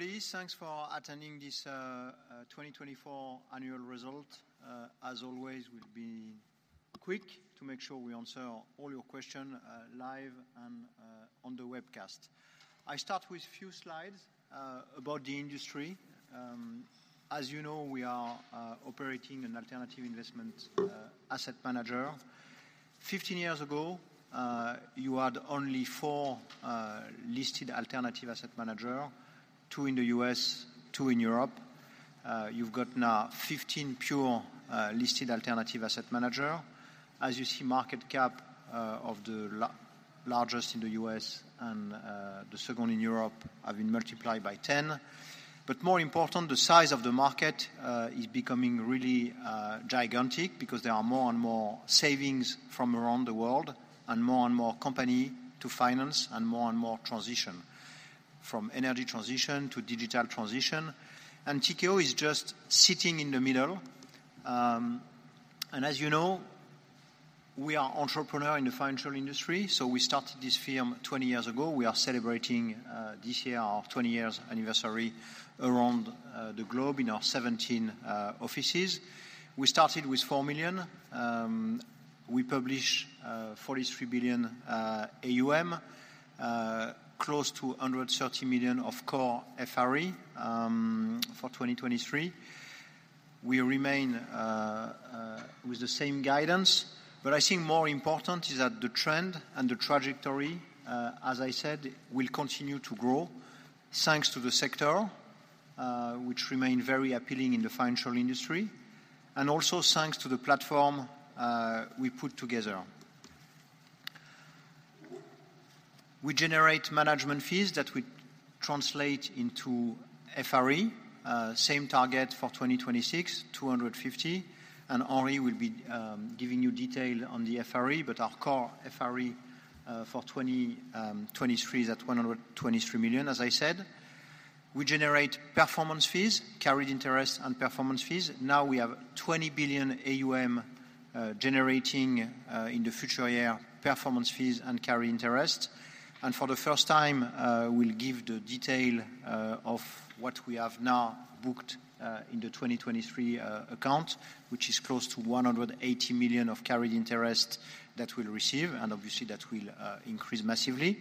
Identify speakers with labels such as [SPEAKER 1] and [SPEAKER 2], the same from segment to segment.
[SPEAKER 1] Hello, everybody. Thanks for attending this 2024 annual result. As always, we'll be quick to make sure we answer all your question, live and on the webcast. I start with few slides about the industry. As you know, we are operating an alternative investment asset manager. 15 years ago, you had only 4 listed alternative asset manager, 2 in the U.S., 2 in Europe. You've got now 15 pure listed alternative asset manager. As you see, market cap of the largest in the U.S. and the second in Europe have been multiplied by 10. But more important, the size of the market is becoming really gigantic because there are more and more savings from around the world, and more and more company to finance, and more and more transition, from energy transition to digital transition. And Tikehau is just sitting in the middle. And as you know, we are entrepreneur in the financial industry, so we started this firm 20 years ago. We are celebrating this year our 20 years anniversary around the globe in our 17 offices. We started with 4 million. We publish 43 billion AUM, close to 130 million of core FRE for 2023. We remain with the same guidance, but I think more important is that the trend and the trajectory, as I said, will continue to grow thanks to the sector, which remain very appealing in the financial industry, and also thanks to the platform we put together. We generate management fees that we translate into FRE. Same target for 2026, 250, and Henri will be giving you detail on the FRE. But our core FRE for 2023 is at 123 million, as I said. We generate performance fees, carried interest and performance fees. Now, we have 20 billion AUM, generating in the future year, performance fees and carried interest. For the first time, we'll give the detail of what we have now booked in the 2023 account, which is close to 180 million of carried interest that we'll receive, and obviously, that will increase massively.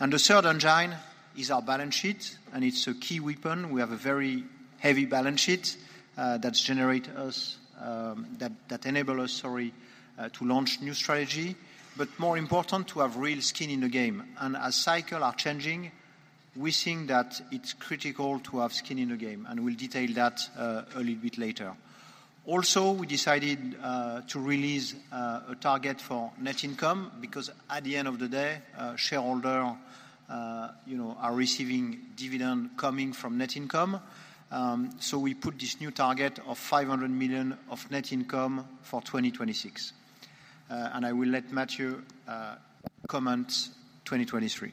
[SPEAKER 1] The third engine is our balance sheet, and it's a key weapon. We have a very heavy balance sheet that generate us, that, that enable us, sorry, to launch new strategy, but more important, to have real skin in the game. As cycle are changing, we think that it's critical to have skin in the game, and we'll detail that a little bit later. Also, we decided to release a target for net income because at the end of the day, shareholder, you know, are receiving dividend coming from net income. We put this new target of 500 million of net income for 2026. I will let Mathieu comment 2023.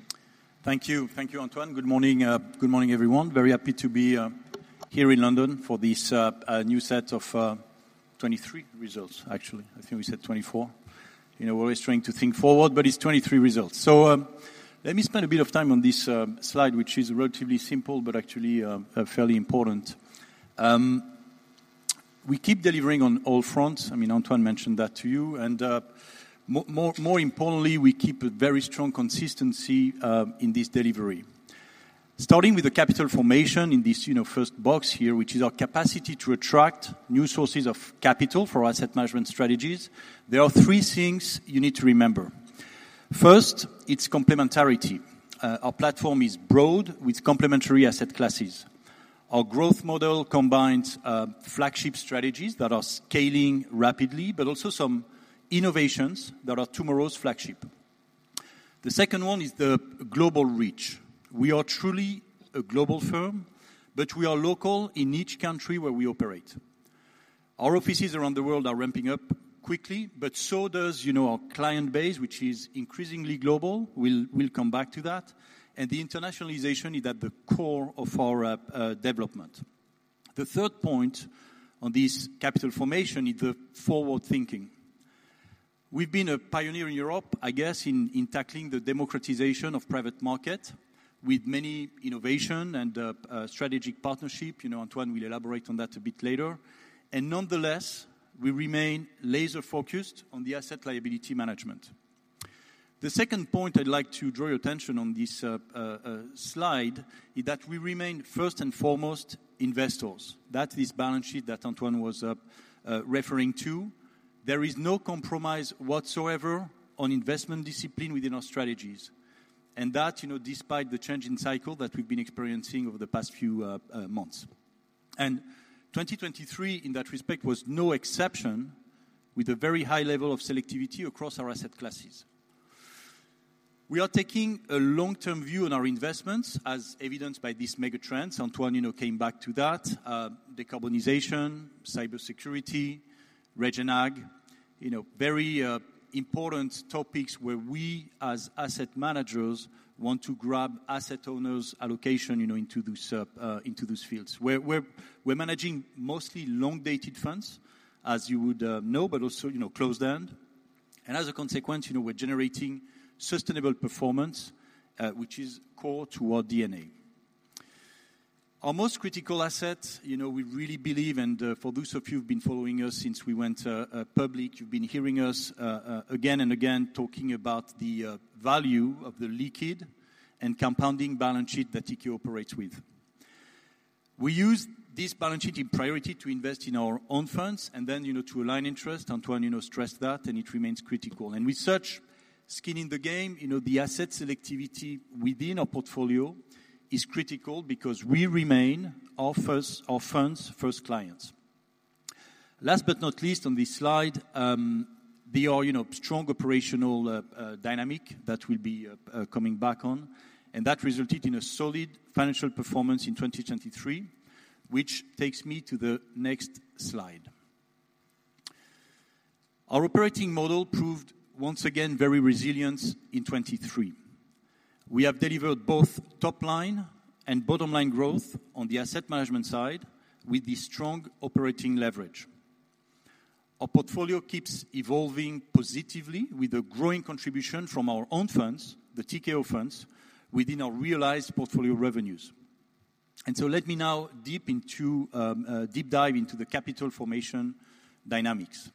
[SPEAKER 2] Thank you. Thank you, Antoine. Good morning. Good morning, everyone. Very happy to be here in London for this new set of 23 results actually. I think we said 24. You know, we're always trying to think forward, but it's 23 results. So, let me spend a bit of time on this slide, which is relatively simple, but actually fairly important. We keep delivering on all fronts, I mean, Antoine mentioned that to you, and more importantly, we keep a very strong consistency in this delivery. Starting with the capital formation in this, you know, first box here, which is our capacity to attract new sources of capital for asset management strategies, there are three things you need to remember. First, it's complementarity. Our platform is broad with complementary asset classes. Our growth model combines flagship strategies that are scaling rapidly, but also some innovations that are tomorrow's flagship. The second one is the global reach. We are truly a global firm, but we are local in each country where we operate. Our offices around the world are ramping up quickly, but so does, you know, our client base, which is increasingly global. We'll, we'll come back to that, and the internationalization is at the core of our development. The third point on this capital formation is the forward thinking. We've been a pioneer in Europe, I guess, in tackling the democratization of private market with many innovation and strategic partnership. You know, Antoine will elaborate on that a bit later. And nonetheless, we remain laser-focused on the asset liability management. The second point I'd like to draw your attention on this slide is that we remain first and foremost investors. That is balance sheet that Antoine was referring to. There is no compromise whatsoever on investment discipline within our strategies, and that, you know, despite the change in cycle that we've been experiencing over the past few months. 2023, in that respect, was no exception, with a very high level of selectivity across our asset classes. We are taking a long-term view on our investments, as evidenced by these mega trends. Antoine, you know, came back to that. Decarbonization, cybersecurity, Regen Ag, you know, very important topics where we, as asset managers, want to grab asset owners' allocation, you know, into those fields. We're managing mostly long-dated funds, as you would know, but also, you know, closed-end and as a consequence, you know, we're generating sustainable performance, which is core to our DNA. Our most critical asset, you know, we really believe, and for those of you who've been following us since we went public, you've been hearing us again and again talking about the value of the liquid and compounding balance sheet that Tikehau operates with. We use this balance sheet in priority to invest in our own funds, and then, you know, to align interest. Antoine, you know, stressed that, and it remains critical. With such skin in the game, you know, the asset selectivity within our portfolio is critical because we remain our first, our funds' first clients. Last but not least, on this slide, there are, you know, strong operational dynamics that we'll be coming back on, and that resulted in a solid financial performance in 2023, which takes me to the next slide. Our operating model proved once again very resilient in 2023. We have delivered both top-line and bottom-line growth on the asset management side with the strong operating leverage. Our portfolio keeps evolving positively with a growing contribution from our own funds, the Tikehau funds, within our realized portfolio revenues. And so let me now deep dive into the capital formation dynamics.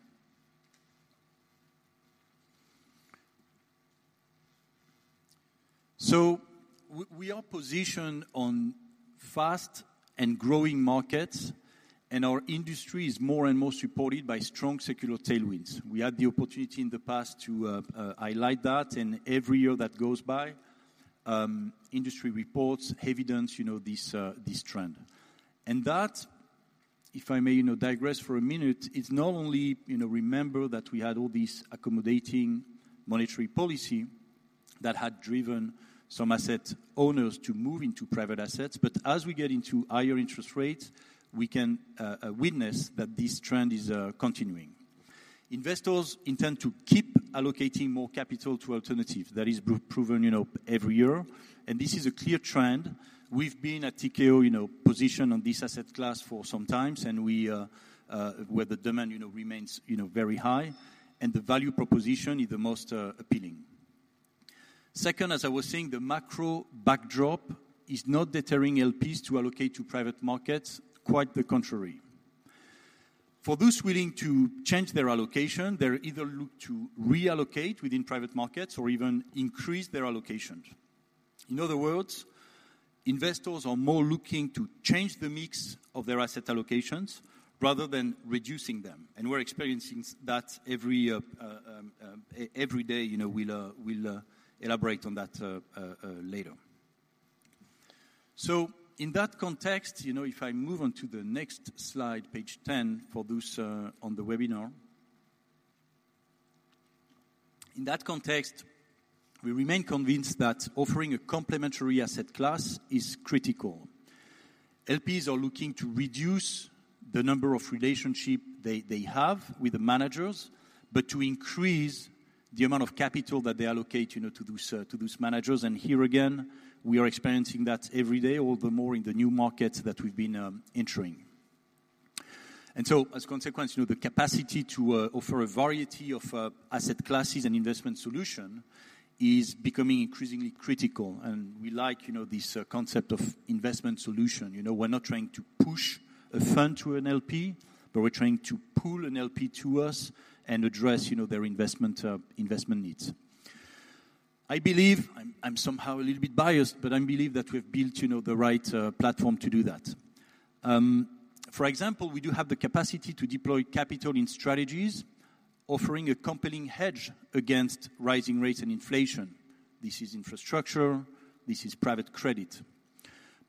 [SPEAKER 2] So we are positioned on fast and growing markets, and our industry is more and more supported by strong secular tailwinds. We had the opportunity in the past to highlight that, and every year that goes by, industry reports evidence, you know, this, this trend. And that, if I may, you know, digress for a minute, is not only, you know, remember that we had all this accommodating monetary policy that had driven some asset owners to move into private assets, but as we get into higher interest rates, we can witness that this trend is continuing. Investors intend to keep allocating more capital to alternative. That is proven, you know, every year, and this is a clear trend. We've been at Tikehau, you know, positioned on this asset class for some times, and we, where the demand, you know, remains, you know, very high and the value proposition is the most appealing. Second, as I was saying, the macro backdrop is not deterring LPs to allocate to private markets, quite the contrary. For those willing to change their allocation, they either look to reallocate within private markets or even increase their allocations. In other words, investors are more looking to change the mix of their asset allocations rather than reducing them, and we're experiencing that every day. You know, we'll later. So in that context, you know, if I move on to the next slide, page 10, for those on the webinar. In that context, we remain convinced that offering a complementary asset class is critical. LPs are looking to reduce the number of relationship they have with the managers, but to increase the amount of capital that they allocate, you know, to those managers. And here, again, we are experiencing that every day, all the more in the new markets that we've been entering. And so, as a consequence, you know, the capacity to offer a variety of asset classes and investment solution is becoming increasingly critical, and we like, you know, this concept of investment solution. You know, we're not trying to push a fund to an LP, but we're trying to pull an LP to us and address, you know, their investment investment needs. I believe, I'm somehow a little bit biased, but I believe that we've built, you know, the right platform to do that. For example, we do have the capacity to deploy capital in strategies, offering a compelling hedge against rising rates and inflation. This is infrastructure, this is private credit.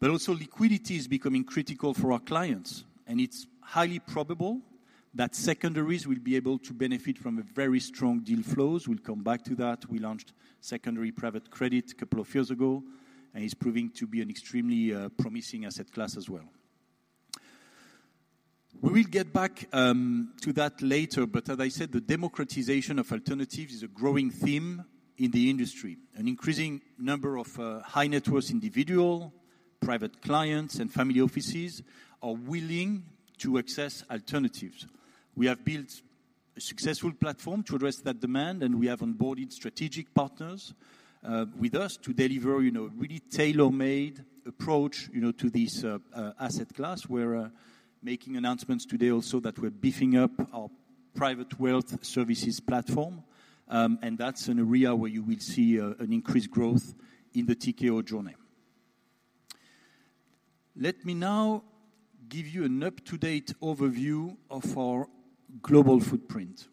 [SPEAKER 2] But also, liquidity is becoming critical for our clients, and it's highly probable that secondaries will be able to benefit from a very strong deal flows. We'll come back to that. We launched secondary private credit a couple of years ago, and it's proving to be an extremely, promising asset class as well. We will get back, to that later, but as I said, the democratization of alternatives is a growing theme in the industry. An increasing number of, high-net-worth individual, private clients, and family offices are willing to access alternatives. We have built a successful platform to address that demand, and we have onboarded strategic partners with us to deliver, you know, a really tailor-made approach, you know, to this asset class. We're making announcements today also that we're beefing up our private wealth services platform, and that's an area where you will see an increased growth in the Tikehau journey. Let me now give you an up-to-date overview of our global footprint.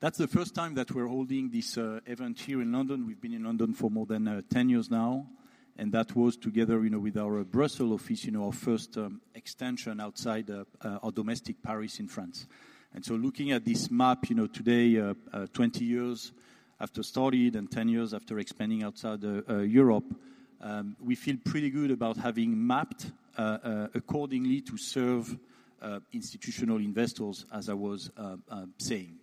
[SPEAKER 2] That's the first time that we're holding this event here in London. We've been in London for more than 10 years now, and that was together, you know, with our Brussels office, you know, our first extension outside our domestic Paris in France. So looking at this map, you know, today, 20 years after starting and 10 years after expanding outside Europe, we feel pretty good about having mapped accordingly to serve institutional investors, as I was saying.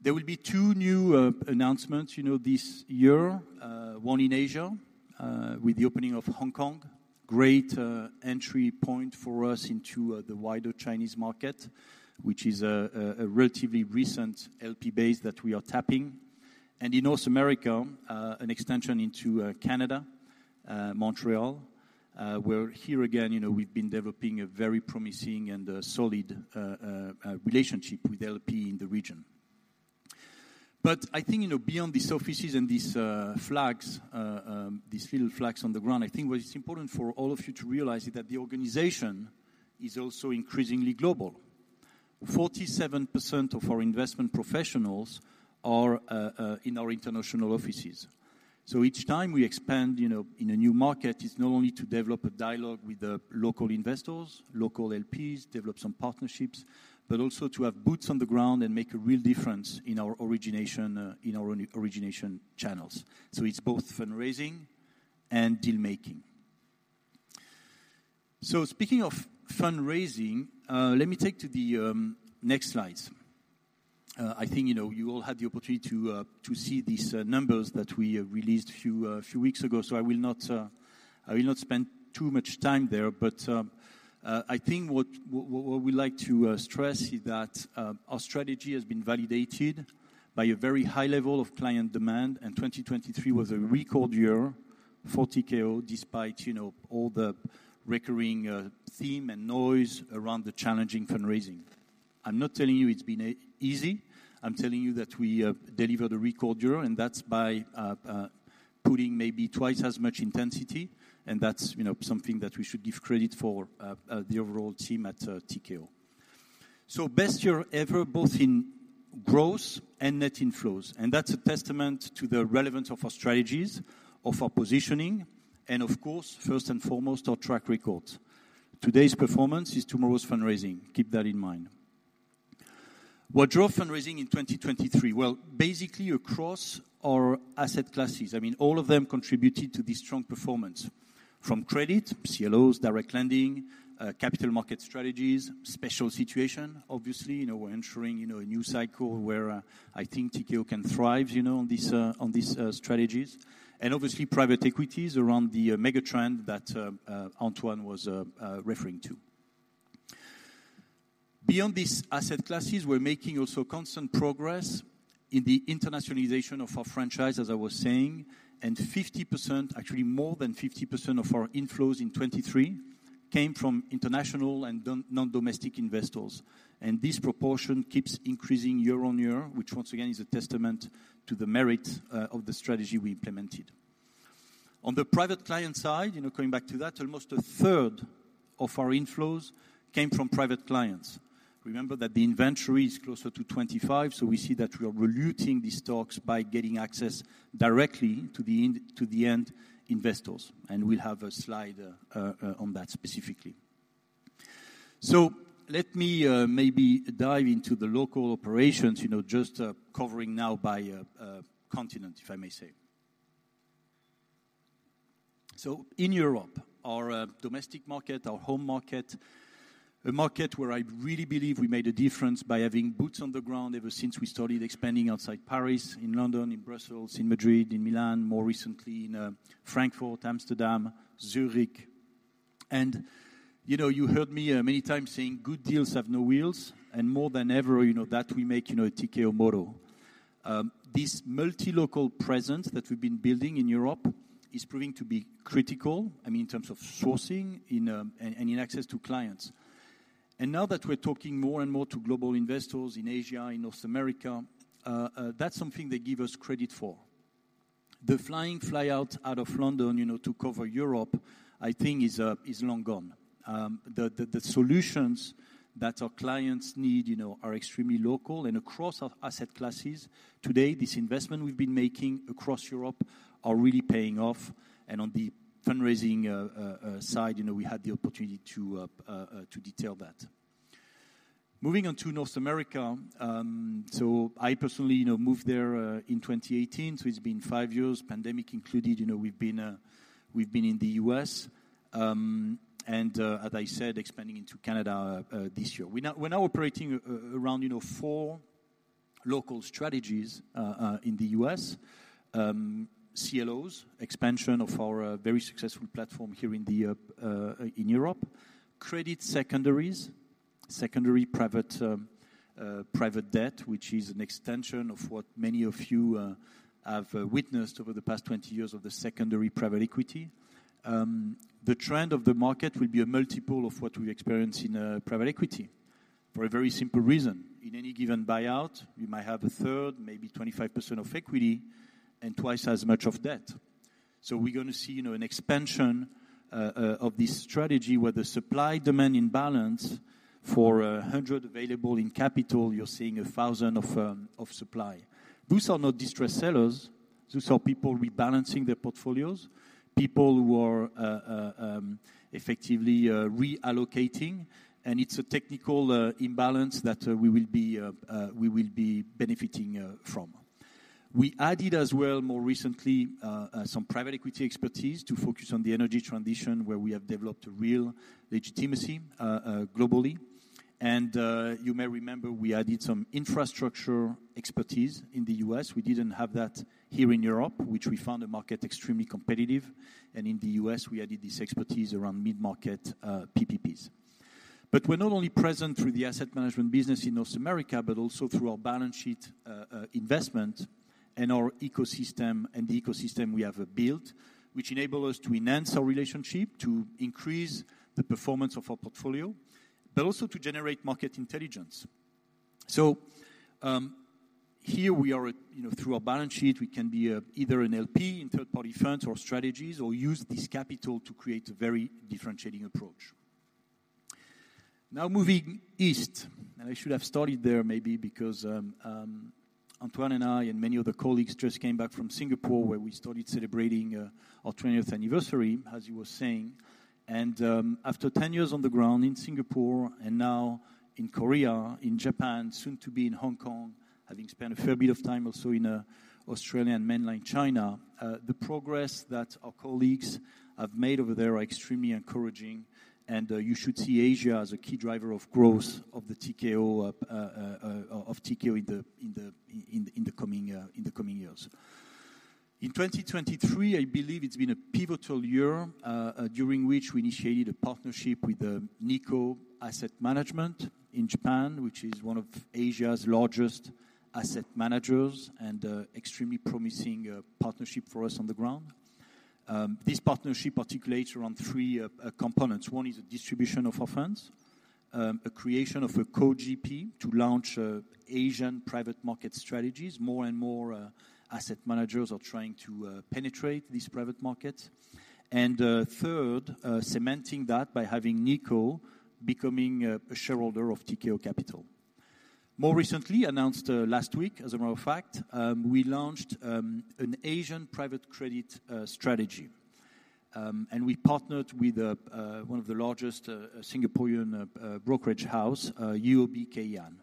[SPEAKER 2] There will be 2 new announcements, you know, this year. One in Asia, with the opening of Hong Kong. Great entry point for us into the wider Chinese market, which is a relatively recent LP base that we are tapping. And in North America, an extension into Canada, Montreal, where here again, you know, we've been developing a very promising and solid relationship with LP in the region. But I think, you know, beyond these offices and these, flags, these field flags on the ground, I think what is important for all of you to realize is that the organization is also increasingly global. 47% of our investment professionals are in our international offices. So each time we expand, you know, in a new market, it's not only to develop a dialogue with the local investors, local LPs, develop some partnerships, but also to have boots on the ground and make a real difference in our origination, in our origination channels. So it's both fundraising and deal-making. So speaking of fundraising, let me take to the next slides. I think, you know, you all had the opportunity to see these numbers that we released a few weeks ago, so I will not, I will not spend too much time there. But, I think what we'd like to stress is that our strategy has been validated by a very high level of client demand, and 2023 was a record year for Tikehau, despite, you know, all the recurring theme and noise around the challenging fundraising. I'm not telling you it's been easy. I'm telling you that we delivered a record year, and that's by putting maybe twice as much intensity, and that's, you know, something that we should give credit for the overall team at Tikehau. So best year ever, both in gross and net inflows, and that's a testament to the relevance of our strategies, of our positioning, and of course, first and foremost, our track record. Today's performance is tomorrow's fundraising. Keep that in mind. What drove fundraising in 2023? Well, basically across our asset classes, I mean, all of them contributed to this strong performance. From credit, CLOs, direct lending, capital market strategies, special situation, obviously, you know, we're entering, you know, a new cycle where, I think Tikehau can thrive, you know, on these strategies, and obviously, private equities around the mega trend that Antoine was referring to. Beyond these asset classes, we're making also constant progress in the internationalization of our franchise, as I was saying, and 50%, actually more than 50% of our inflows in 2023, came from international and non-domestic investors. This proportion keeps increasing year-on-year, which once again is a testament to the merit of the strategy we implemented. On the private client side, you know, going back to that, almost a third of our inflows came from private clients. Remember that the inventory is closer to 25, so we see that we are diluting these stocks by getting access directly to the end, to the end investors, and we'll have a slide on that specifically. So let me maybe dive into the local operations, you know, just covering now by a continent, if I may say. So in Europe, our domestic market, our home market, a market where I really believe we made a difference by having boots on the ground ever since we started expanding outside Paris, in London, in Brussels, in Madrid, in Milan, more recently in Frankfurt, Amsterdam, Zurich. And you know, you heard me many times saying, "Good deals have no wheels," and more than ever, you know, that we make a Tikehau model. This multi-local presence that we've been building in Europe is proving to be critical, I mean, in terms of sourcing and access to clients. And now that we're talking more and more to global investors in Asia, in North America, that's something they give us credit for. The flying fly out of London, you know, to cover Europe, I think is long gone. The solutions that our clients need, you know, are extremely local and across our asset classes. Today, this investment we've been making across Europe are really paying off, and on the fundraising side, you know, we had the opportunity to detail that. Moving on to North America, so I personally, you know, moved there in 2018, so it's been five years, pandemic included, you know, we've been in the U.S., and as I said, expanding into Canada this year. We're now operating around, you know, four local strategies in the U.S. CLOs, expansion of our very successful platform here in Europe. Credit secondaries, secondary private, private debt, which is an extension of what many of you have witnessed over the past 20 years of the secondary private equity. The trend of the market will be a multiple of what we experience in private equity, for a very simple reason. In any given buyout, you might have a third, maybe 25% of equity, and twice as much of debt. So we're going to see, you know, an expansion of this strategy, where the supply-demand imbalance for 100 available in capital, you're seeing 1,000 of supply. Those are not distressed sellers. Those are people rebalancing their portfolios, people who are effectively reallocating, and it's a technical imbalance that we will be we will be benefiting from. We added as well, more recently, some private equity expertise to focus on the energy transition, where we have developed a real legitimacy, globally. And, you may remember we added some infrastructure expertise in the U.S. We didn't have that here in Europe, which we found the market extremely competitive, and in the U.S., we added this expertise around mid-market, PPPs. But we're not only present through the asset management business in North America, but also through our balance sheet investment and our ecosystem, and the ecosystem we have built, which enable us to enhance our relationship, to increase the performance of our portfolio, but also to generate market intelligence. So, here we are, you know, through our balance sheet, we can be either an LP in third-party funds or strategies, or use this capital to create a very differentiating approach. Now, moving east, and I should have started there maybe because Antoine and I, and many other colleagues just came back from Singapore, where we started celebrating our 20th anniversary, as you were saying. After 10 years on the ground in Singapore and now in Korea, in Japan, soon to be in Hong Kong, having spent a fair bit of time also in Australia and mainland China, the progress that our colleagues have made over there are extremely encouraging, and you should see Asia as a key driver of growth of Tikehau in the coming years. In 2023, I believe it's been a pivotal year during which we initiated a partnership with Nikko Asset Management in Japan, which is one of Asia's largest asset managers and extremely promising partnership for us on the ground. This partnership articulates around 3 components. One is the distribution of our funds, a creation of a co-GP to launch Asian private market strategies. More and more asset managers are trying to penetrate these private markets. And third, cementing that by having Nikko becoming a shareholder of Tikehau Capital. More recently, announced last week, as a matter of fact, we launched an Asian private credit strategy. And we partnered with the one of the largest Singaporean brokerage house, UOB Kay Hian.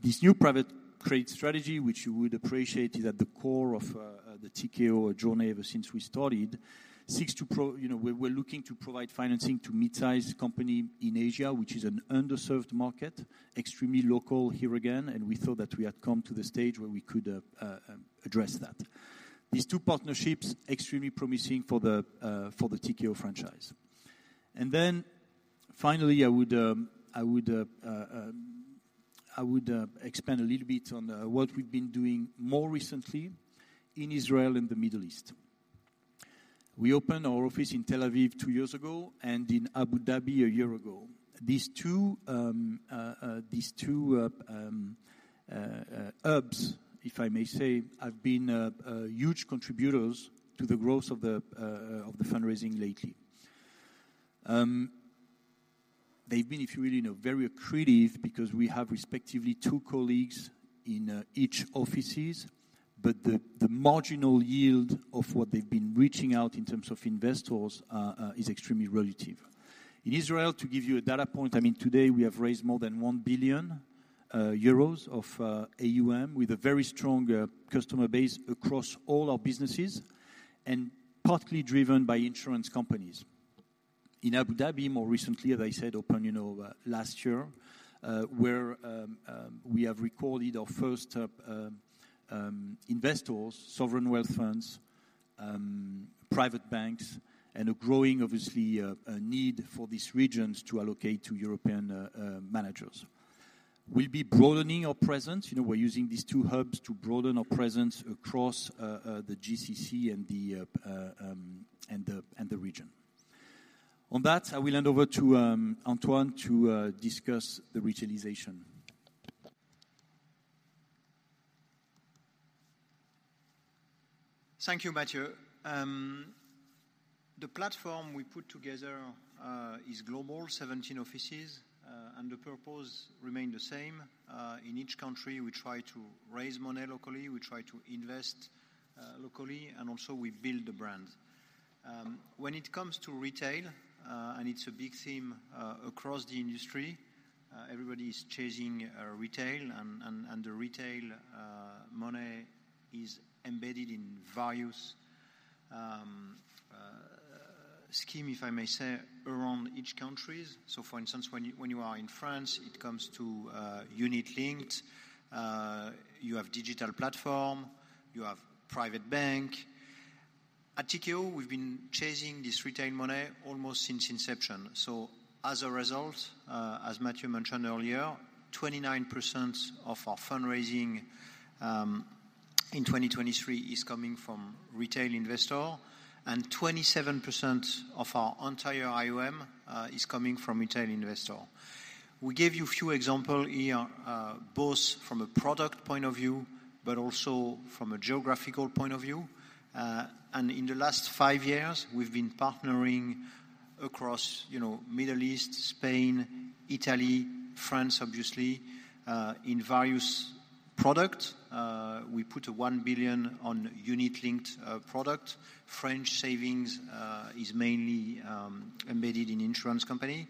[SPEAKER 2] This new private credit strategy, which you would appreciate, is at the core of the Tikehau journey ever since we started, seeks to you know, we're looking to provide financing to mid-sized company in Asia, which is an underserved market, extremely local here again, and we thought that we had come to the stage where we could address that. These two partnerships, extremely promising for the Tikehau franchise. And then finally, I would expand a little bit on what we've been doing more recently in Israel and the Middle East. We opened our office in Tel Aviv two years ago, and in Abu Dhabi a year ago. These two hubs, if I may say, have been huge contributors to the growth of the fundraising lately. They've been, if you really know, very accretive because we have respectively two colleagues in each offices, but the marginal yield of what they've been reaching out in terms of investors is extremely relative. In Israel, to give you a data point, I mean, today we have raised more than 1 billion euros of AUM, with a very strong customer base across all our businesses, and partly driven by insurance companies. In Abu Dhabi, more recently, as I said, opened, you know, last year, where, we have recorded our first, investors, sovereign wealth funds, private banks, and a growing, obviously, need for these regions to allocate to European, managers. We'll be broadening our presence. You know, we're using these two hubs to broaden our presence across, the GCC and the, and the region. On that, I will hand over to, Antoine to, discuss the retailization.
[SPEAKER 1] Thank you, Mathieu. The platform we put together is global, 17 offices, and the purpose remain the same. In each country, we try to raise money locally, we try to invest locally, and also we build the brand. When it comes to retail, and it's a big theme across the industry, everybody is chasing retail and the retail money is embedded in various scheme, if I may say, around each countries. So for instance, when you are in France, it comes to unit-linked, you have digital platform, you have private bank. At Tikehau, we've been chasing this retail money almost since inception. So as a result, as Mathieu mentioned earlier, 29% of our fundraising in 2023 is coming from retail investor, and 27% of our entire AUM is coming from retail investor. We give you a few example here, both from a product point of view, but also from a geographical point of view. And in the last 5 years, we've been partnering across, you know, Middle East, Spain, Italy, France, obviously, in various product. We put 1 billion on unit-linked product. French savings is mainly embedded in insurance company.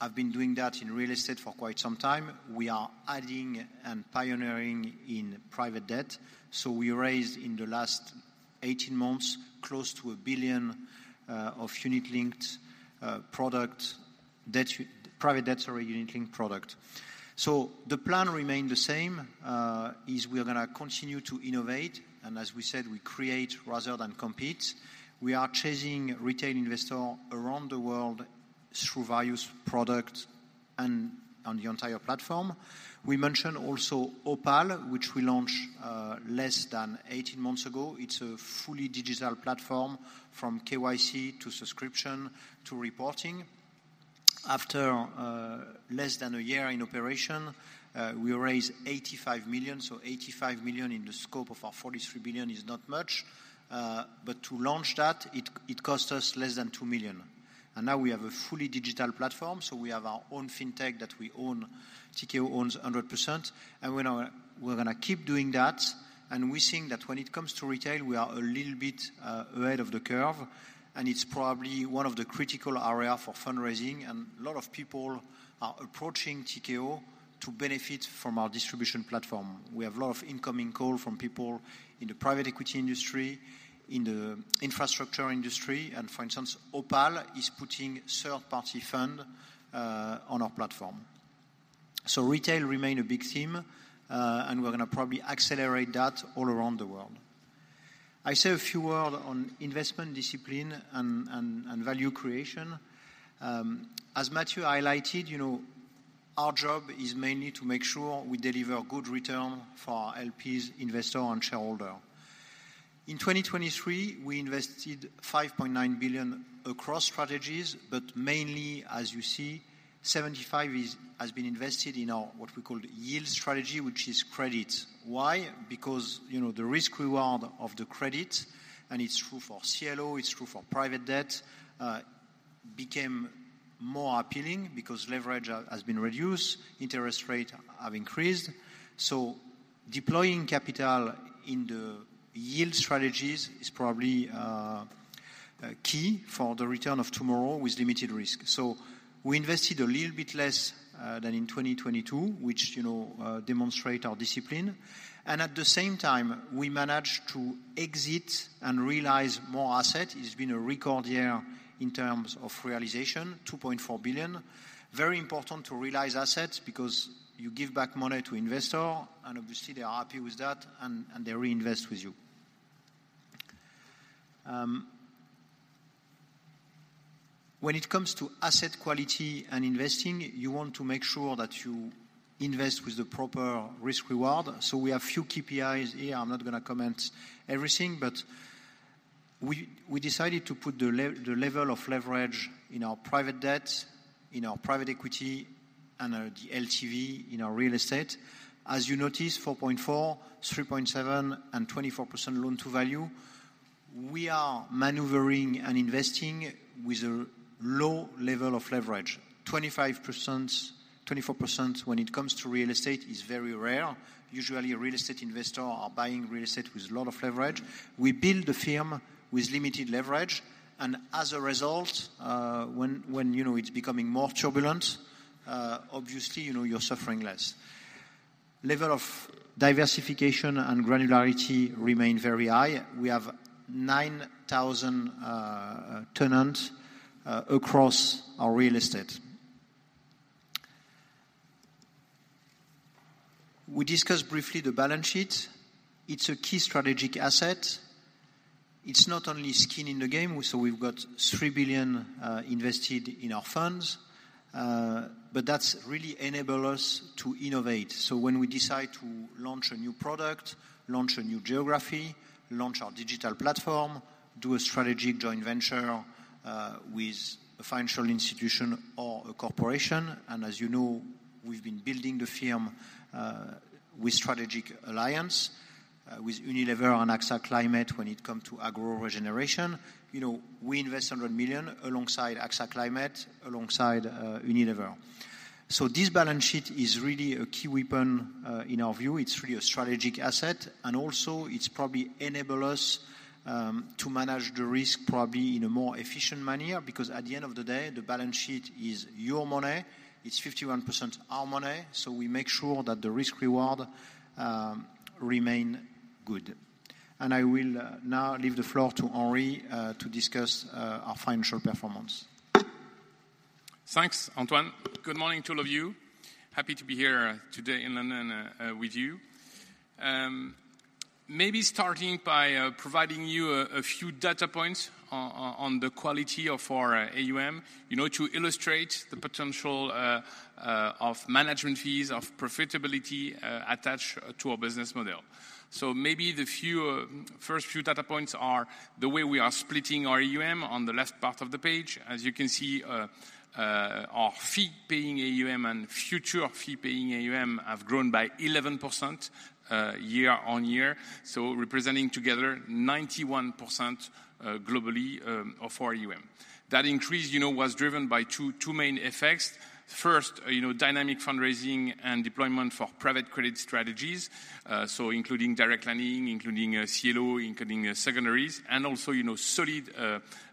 [SPEAKER 1] I've been doing that in real estate for quite some time. We are adding and pioneering in private debt, so we raised in the last 18 months, close to 1 billion of unit-linked product, private debt or unit-linked product. So the plan remain the same, is we are gonna continue to innovate, and as we said, we create rather than compete. We are chasing retail investor around the world through various product and on the entire platform. We mentioned also Opal, which we launched, less than 18 months ago. It's a fully digital platform from KYC to subscription to reporting. After less than a year in operation, we raised 85 million. So 85 million in the scope of our 43 billion is not much, but to launch that, it cost us less than 2 million. And now we have a fully digital platform, so we have our own fintech that we own, Tikehau owns 100%, and we're gonna keep doing that. We think that when it comes to retail, we are a little bit ahead of the curve, and it's probably one of the critical area for fundraising. A lot of people are approaching Tikehau to benefit from our distribution platform. We have a lot of incoming call from people in the private equity industry, in the infrastructure industry, and for instance, Opal is putting third-party fund on our platform. So retail remain a big theme, and we're gonna probably accelerate that all around the world. I say a few word on investment discipline and value creation. As Mathieu highlighted, you know, our job is mainly to make sure we deliver good return for our LPs, investor, and shareholder. In 2023, we invested 5.9 billion across strategies, but mainly, as you see, 75% has been invested in our what we call yield strategy, which is credit. Why? Because, you know, the risk reward of the credit, and it's true for CLO, it's true for private debt, became more appealing because leverage has been reduced, interest rate have increased. So deploying capital in the yield strategies is probably key for the return of tomorrow with limited risk. So we invested a little bit less than in 2022, which, you know, demonstrate our discipline, and at the same time, we managed to exit and realize more asset. It has been a record year in terms of realization, 2.4 billion. Very important to realize assets because you give back money to investor, and obviously, they are happy with that, and they reinvest with you. When it comes to asset quality and investing, you want to make sure that you invest with the proper risk reward. So we have few KPIs here. I'm not gonna comment everything, but we decided to put the level of leverage in our private debt, in our private equity, and the LTV in our real estate. As you notice, 4.4, 3.7, and 24% loan-to-value. We are maneuvering and investing with a low level of leverage. 25%, 24% when it comes to real estate is very rare. Usually, a real estate investor are buying real estate with a lot of leverage. We build the firm with limited leverage, and as a result, when, you know, it's becoming more turbulent, obviously, you know, you're suffering less. Level of diversification and granularity remain very high. We have 9,000 tenants across our real estate. We discussed briefly the balance sheet. It's a key strategic asset. It's not only skin in the game, so we've got 3 billion invested in our funds, but that's really enable us to innovate. So when we decide to launch a new product, launch a new geography, launch our digital platform, do a strategic joint venture with a financial institution or a corporation, and as you know, we've been building the firm with strategic alliance with Unilever and AXA Climate when it come to agro-regeneration. You know, we invest 100 million alongside AXA Climate, alongside Unilever. So this balance sheet is really a key weapon in our view. It's really a strategic asset, and also, it's probably enable us to manage the risk probably in a more efficient manner, because at the end of the day, the balance sheet is your money. It's 51% our money, so we make sure that the risk reward remain good. And I will now leave the floor to Henri to discuss our financial performance.
[SPEAKER 3] Thanks, Antoine. Good morning to all of you. Happy to be here today in London with you. Maybe starting by providing you a few data points on the quality of our AUM, you know, to illustrate the potential of management fees, of profitability attached to our business model. So maybe the few first few data points are the way we are splitting our AUM on the left part of the page. As you can see, our fee-paying AUM and future fee-paying AUM have grown by 11% year-on-year, so representing together 91% globally of our AUM. That increase, you know, was driven by two main effects. First, you know, dynamic fundraising and deployment for private credit strategies, so including direct lending, including CLO, including secondaries, and also, you know, solid,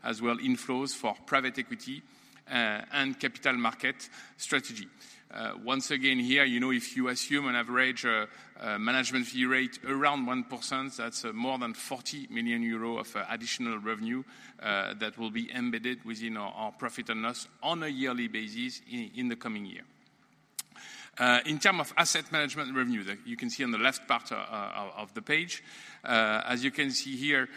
[SPEAKER 3] as well inflows for private equity, and capital market strategy. Once again, here, you know, if you assume an average management fee rate around 1%, that's more than 40 million euro of additional revenue that will be embedded within our profit and loss on a yearly basis in the coming year. In terms of asset management revenue, that you can see on the left part of the page. As you can see here,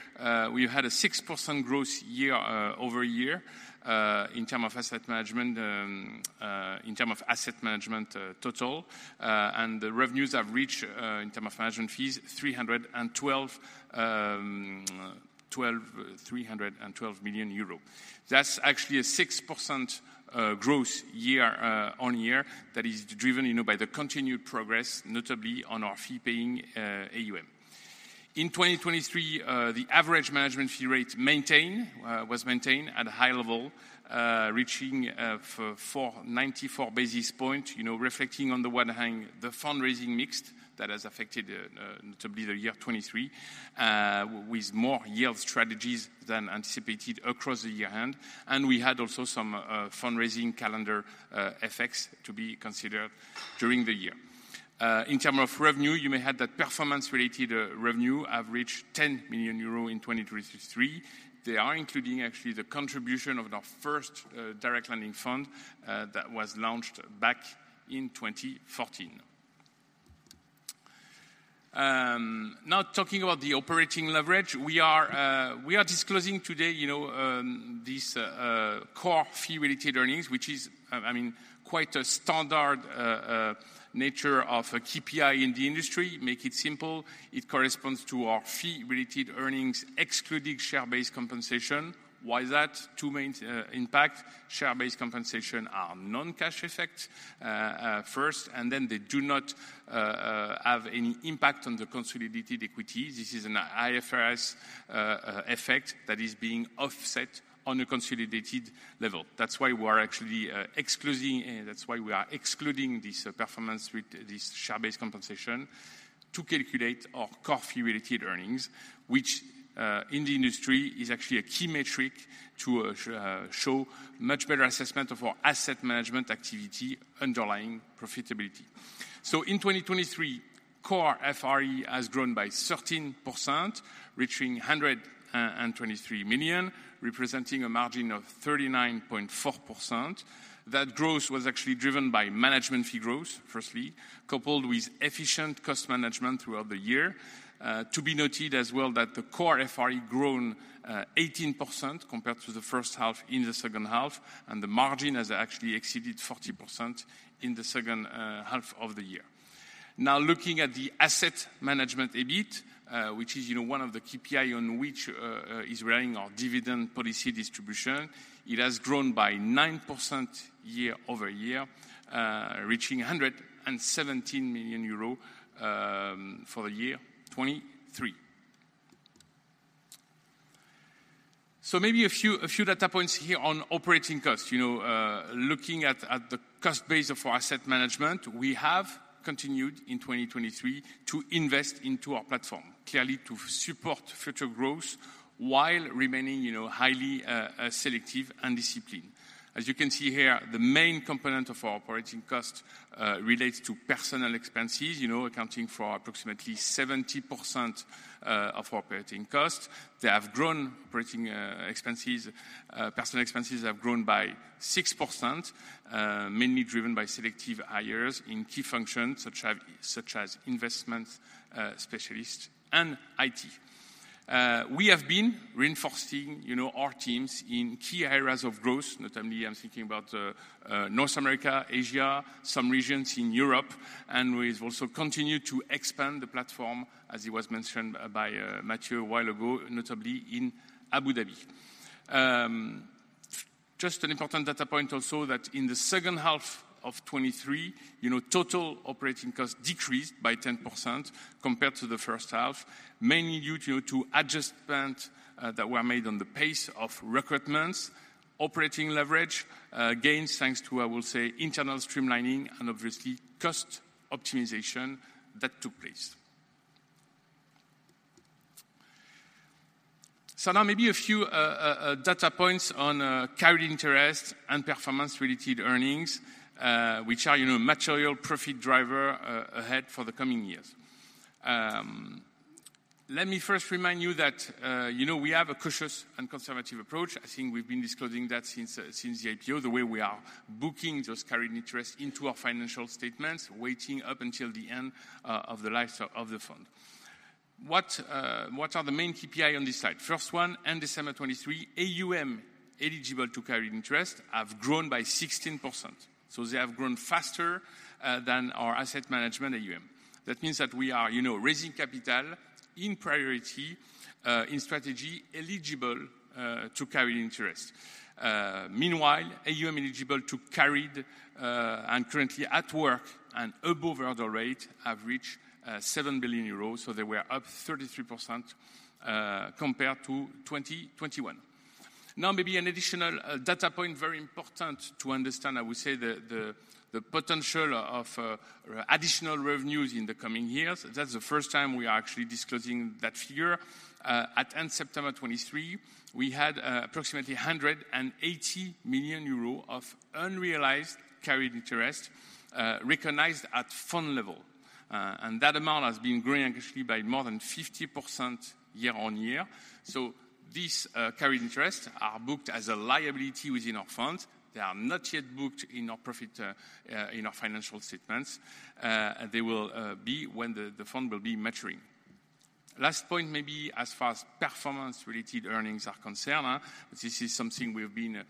[SPEAKER 3] we've had a 6% growth year-over-year in terms of asset management total. And the revenues have reached in term of management fees, 312 million euro. That's actually a 6% growth year-on-year that is driven, you know, by the continued progress, notably on our fee-paying AUM. In 2023, the average management fee rate maintained was maintained at a high level, reaching 94 basis points, you know, reflecting on the one hand, the fundraising mix that has affected, notably the year 2023, with more yield strategies than anticipated across the year end. And we had also some fundraising calendar effects to be considered during the year. In term of revenue, you may have that performance-related revenue have reached 10 million euros in 2023. They are including actually the contribution of our first direct lending fund that was launched back in 2014. Now, talking about the operating leverage, we are disclosing today, you know, this core fee-related earnings, which is, I mean, quite a standard nature of a KPI in the industry. Make it simple, it corresponds to our fee-related earnings, excluding share-based compensation. Why is that? Two main impact: share-based compensation are non-cash effect first, and then they do not have any impact on the consolidated equity. This is an IFRS effect that is being offset on a consolidated level. That's why we are actually excluding this performance with this share-based compensation to calculate our core fee-related earnings, which in the industry is actually a key metric to show much better assessment of our asset management activity underlying profitability. So in 2023, core FRE has grown by 13%, reaching 123 million, representing a margin of 39.4%. That growth was actually driven by management fee growth, firstly, coupled with efficient cost management throughout the year. To be noted as well, that the core FRE grown 18% compared to the first half in the second half, and the margin has actually exceeded 40% in the second half of the year. Now, looking at the asset management EBIT, which is, you know, one of the KPI on which is running our dividend policy distribution, it has grown by 9% year-over-year, reaching EUR 117 million for the year 2023. So maybe a few data points here on operating costs. You know, looking at the cost base of our asset management, we have continued in 2023 to invest into our platform, clearly to support future growth while remaining, you know, highly selective and disciplined. As you can see here, the main component of our operating cost relates to personnel expenses, you know, accounting for approximately 70% of our operating costs. They have grown operating expenses, personnel expenses have grown by 6%, mainly driven by selective hires in key functions, such as investment specialists and IT. We have been reinforcing, you know, our teams in key areas of growth, notably, I'm thinking about North America, Asia, some regions in Europe, and we've also continued to expand the platform, as it was mentioned by Mathieu a while ago, notably in Abu Dhabi. Just an important data point also, that in the second half of 2023, you know, total operating costs decreased by 10% compared to the first half, mainly due to adjustments that were made on the pace of recruitments, operating leverage gains, thanks to, I will say, internal streamlining and obviously cost optimization that took place. So now maybe a few data points on carried interest and performance-related earnings, which are, you know, material profit driver ahead for the coming years. Let me first remind you that, you know, we have a cautious and conservative approach. I think we've been disclosing that since the IPO, the way we are booking those carried interest into our financial statements, waiting up until the end of the life of the fund. What are the main KPI on this side? First one, in December 2023, AUM eligible to carried interest have grown by 16%, so they have grown faster than our asset management AUM. That means that we are, you know, raising capital in priority in strategy eligible to carried interest. Meanwhile, AUM eligible to carried and currently at work and above hurdle rate have reached 7 billion euros, so they were up 33% compared to 2021. Now, maybe an additional data point, very important to understand, I would say, the potential of additional revenues in the coming years. That's the first time we are actually disclosing that figure. At end September 2023, we had approximately 180 million euros of unrealized carried interest recognized at fund level and that amount has been growing actually by more than 50% year-on-year. So these carried interests are booked as a liability within our funds. They are not yet booked in our profit in our financial statements. They will be when the fund will be maturing. Last point, maybe as far as performance-related earnings are concerned, this is something we've been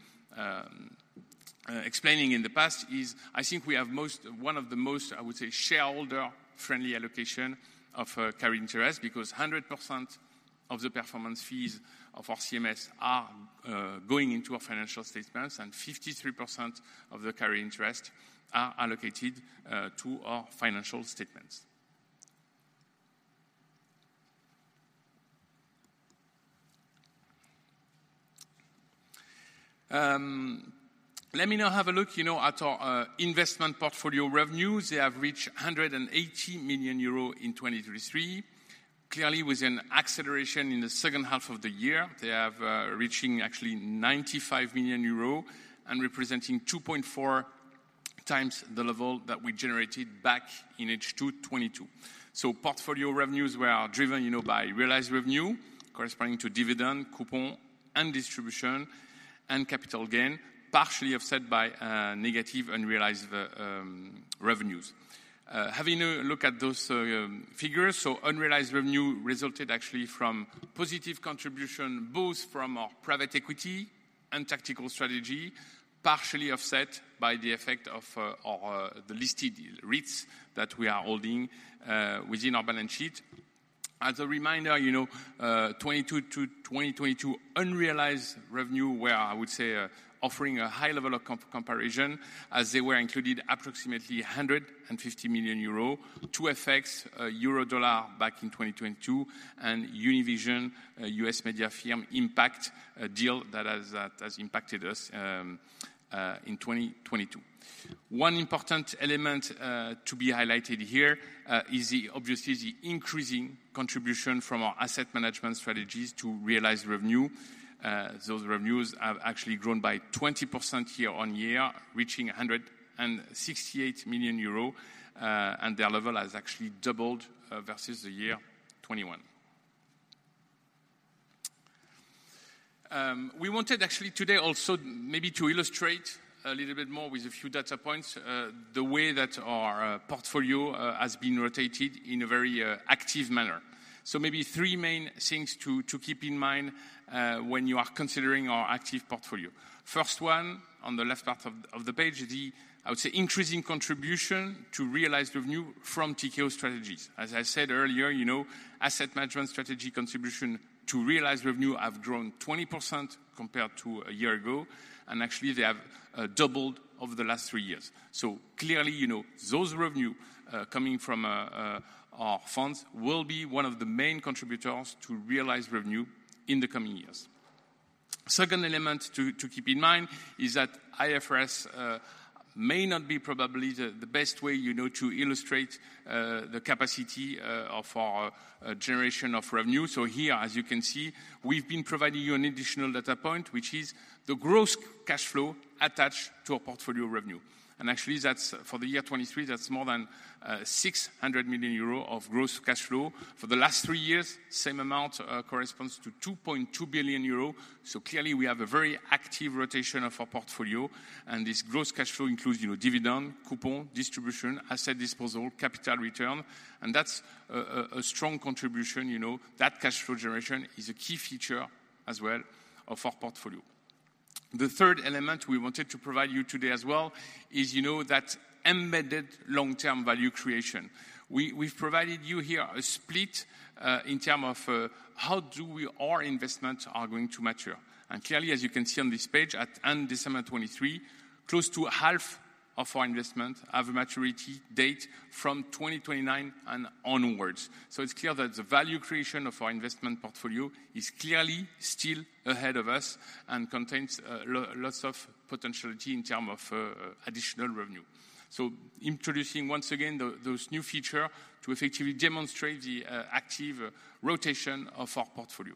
[SPEAKER 3] explaining in the past, is I think we have one of the most, I would say, shareholder-friendly allocation of carried interest, because 100% of the performance fees of our CMS are going into our financial statements, and 53% of the carried interest are allocated to our financial statements. Let me now have a look, you know, at our investment portfolio revenues. They have reached 180 million euros in 2023. Clearly, with an acceleration in the second half of the year, they have reaching actually 95 million euro and representing 2.4x the level that we generated back in H2 2022. So portfolio revenues were driven, you know, by realized revenue, corresponding to dividend, coupon, and distribution, and capital gain, partially offset by negative unrealized revenues. Having a look at those figures, unrealized revenue resulted actually from positive contribution, both from our private equity and tactical strategy, partially offset by the effect of the listed REITs that we are holding within our balance sheet. As a reminder, you know, 2022 to 2022, unrealized revenue, where I would say offering a high level of comparison, as they were included approximately 150 million euro, two effects, euro-dollar back in 2022, and Univision, U.S. media firm impact, a deal that has impacted us in 2022. One important element to be highlighted here is the obviously the increasing contribution from our asset management strategies to realized revenue. Those revenues have actually grown by 20% year-on-year, reaching 168 million euros, and their level has actually doubled versus 2021. We wanted actually today also maybe to illustrate a little bit more with a few data points the way that our portfolio has been rotated in a very active manner. So maybe three main things to keep in mind when you are considering our active portfolio. First one, on the left part of the page, the, I would say, increasing contribution to realized revenue from TSO strategies. As I said earlier, you know, asset management strategy contribution to realized revenue have grown 20% compared to a year ago, and actually they have doubled over the last 3 years. So clearly, you know, those revenue coming from our funds will be one of the main contributors to realized revenue in the coming years. Second element to keep in mind is that IFRS may not be probably the best way, you know, to illustrate the capacity of our generation of revenue. So here, as you can see, we've been providing you an additional data point, which is the gross cash flow attached to our portfolio revenue. And actually, that's, for the year 2023, that's more than 600 million euro of gross cash flow. For the last three years, same amount corresponds to 2.2 billion euro. So clearly, we have a very active rotation of our portfolio, and this gross cash flow includes, you know, dividend, coupon, distribution, asset disposal, capital return, and that's a strong contribution, you know. That cash flow generation is a key feature as well of our portfolio. The third element we wanted to provide you today as well is, you know, that embedded long-term value creation. We've provided you here a split in terms of how our investments are going to mature. And clearly, as you can see on this page, at end December 2023, close to half of our investments have a maturity date from 2029 and onwards. So it's clear that the value creation of our investment portfolio is clearly still ahead of us and contains lots of potential in terms of additional revenue. So introducing once again those new features to effectively demonstrate the active rotation of our portfolio.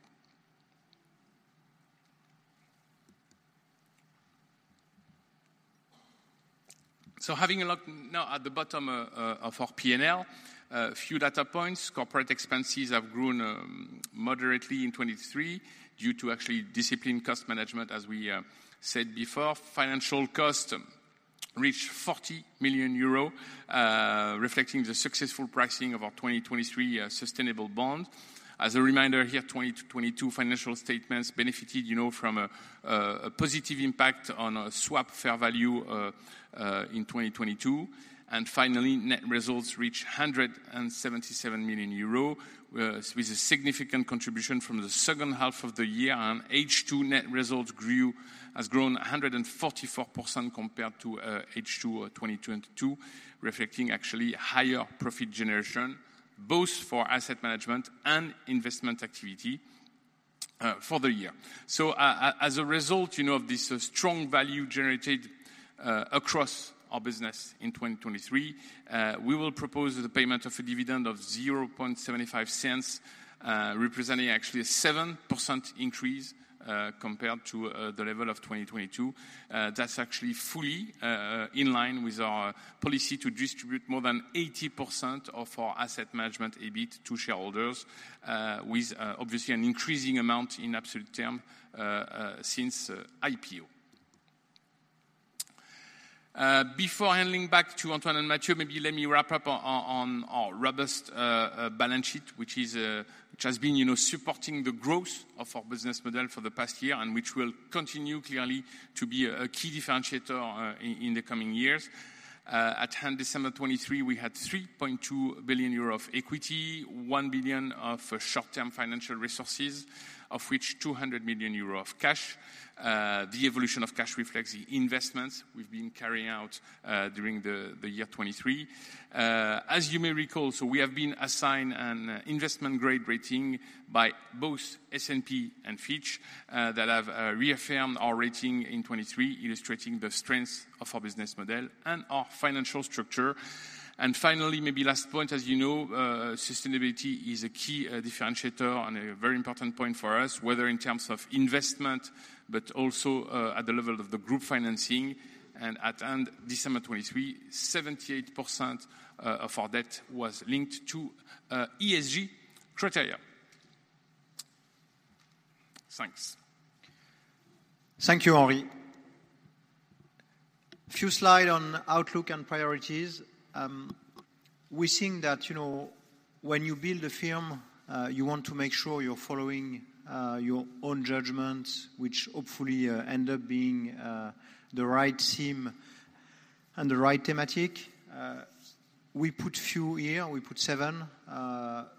[SPEAKER 3] So having a look now at the bottom of our P&L, a few data points. Corporate expenses have grown moderately in 2023 due to actually disciplined cost management, as we said before. Financial costs reached 40 million euros, reflecting the successful pricing of our 2023 sustainable bond. As a reminder here, 2022 financial statements benefited, you know, from a positive impact on a swap fair value in 2022. Finally, net results reached 177 million euros with a significant contribution from the second half of the year, and H2 net results grew, has grown 144% compared to H2 2022, reflecting actually higher profit generation, both for asset management and investment activity, for the year. So as a result, you know, of this strong value generated across our business in 2023, we will propose the payment of a dividend of 0.75, representing actually a 7% increase compared to the level of 2022. That's actually fully in line with our policy to distribute more than 80% of our asset management EBIT to shareholders, with obviously an increasing amount in absolute term since IPO. Before handing back to Antoine and Mathieu, maybe let me wrap up on our, on our robust balance sheet, which is, which has been, you know, supporting the growth of our business model for the past year, and which will continue clearly to be a, a key differentiator, in, in the coming years. At end December 2023, we had 3.2 billion euro of equity, 1 billion of short-term financial resources, of which 200 million euro of cash. The evolution of cash reflects the investments we've been carrying out, during the, the year 2023. As you may recall, so we have been assigned an investment-grade rating by both S&P and Fitch, that have, reaffirmed our rating in 2023, illustrating the strength of our business model and our financial structure. And finally, maybe last point, as you know, sustainability is a key differentiator and a very important point for us, whether in terms of investment, but also, at the level of the group financing. And at end December 2023, 78% of our debt was linked to ESG criteria. Thanks.
[SPEAKER 1] Thank you, Henri. A few slides on outlook and priorities. We think that, you know, when you build a firm, you want to make sure you're following your own judgments, which hopefully end up being the right theme and the right thematic. We put a few here, we put seven.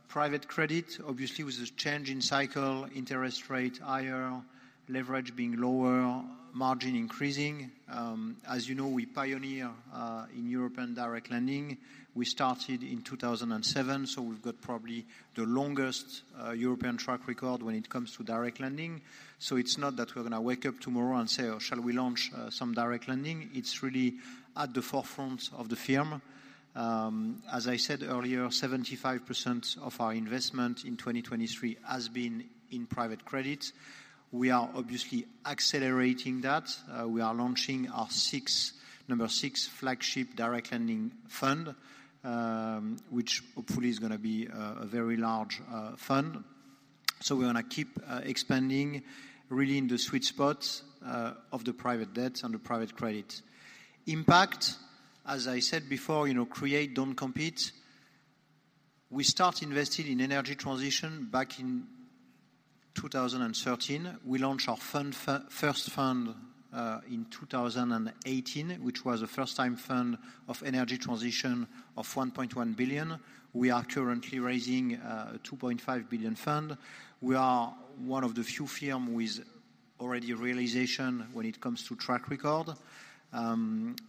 [SPEAKER 1] Private credit, obviously, with the change in cycle, interest rate higher, leverage being lower, margin increasing. As you know, we pioneer in European direct lending. We started in 2007, so we've got probably the longest European track record when it comes to direct lending. So it's not that we're going to wake up tomorrow and say, "Oh, shall we launch some direct lending?" It's really at the forefront of the firm. As I said earlier, 75% of our investment in 2023 has been in private credit. We are obviously accelerating that. We are launching our sixth flagship direct lending fund, which hopefully is gonna be a very large fund. So we're gonna keep expanding really in the sweet spot of the private debt and the private credit. Impact, as I said before, you know, create, don't compete. We start investing in energy transition back in 2013. We launched our first fund in 2018, which was a first-time fund of energy transition of 1.1 billion. We are currently raising a 2.5 billion fund. We are one of the few firm with already realization when it comes to track record.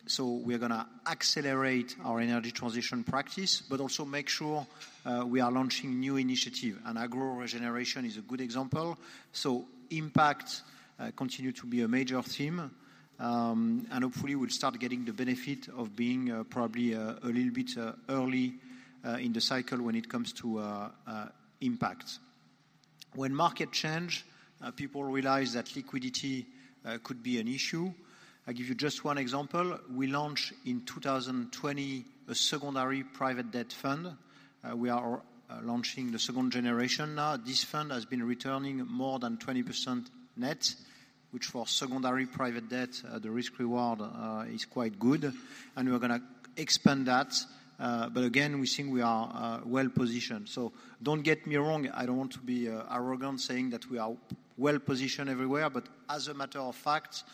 [SPEAKER 1] So we're gonna accelerate our energy transition practice, but also make sure we are launching new initiative, and agro regeneration is a good example. Impact continue to be a major theme, and hopefully we'll start getting the benefit of being probably a little bit early in the cycle when it comes to impact. When market change, people realize that liquidity could be an issue. I give you just one example: We launched in 2020, a secondary private debt fund. We are launching the second generation now. This fund has been returning more than 20% net, which for secondary private debt, the risk-reward is quite good, and we're gonna expand that. But again, we think we are well-positioned. So don't get me wrong, I don't want to be arrogant saying that we are well-positioned everywhere, but as a matter of fact,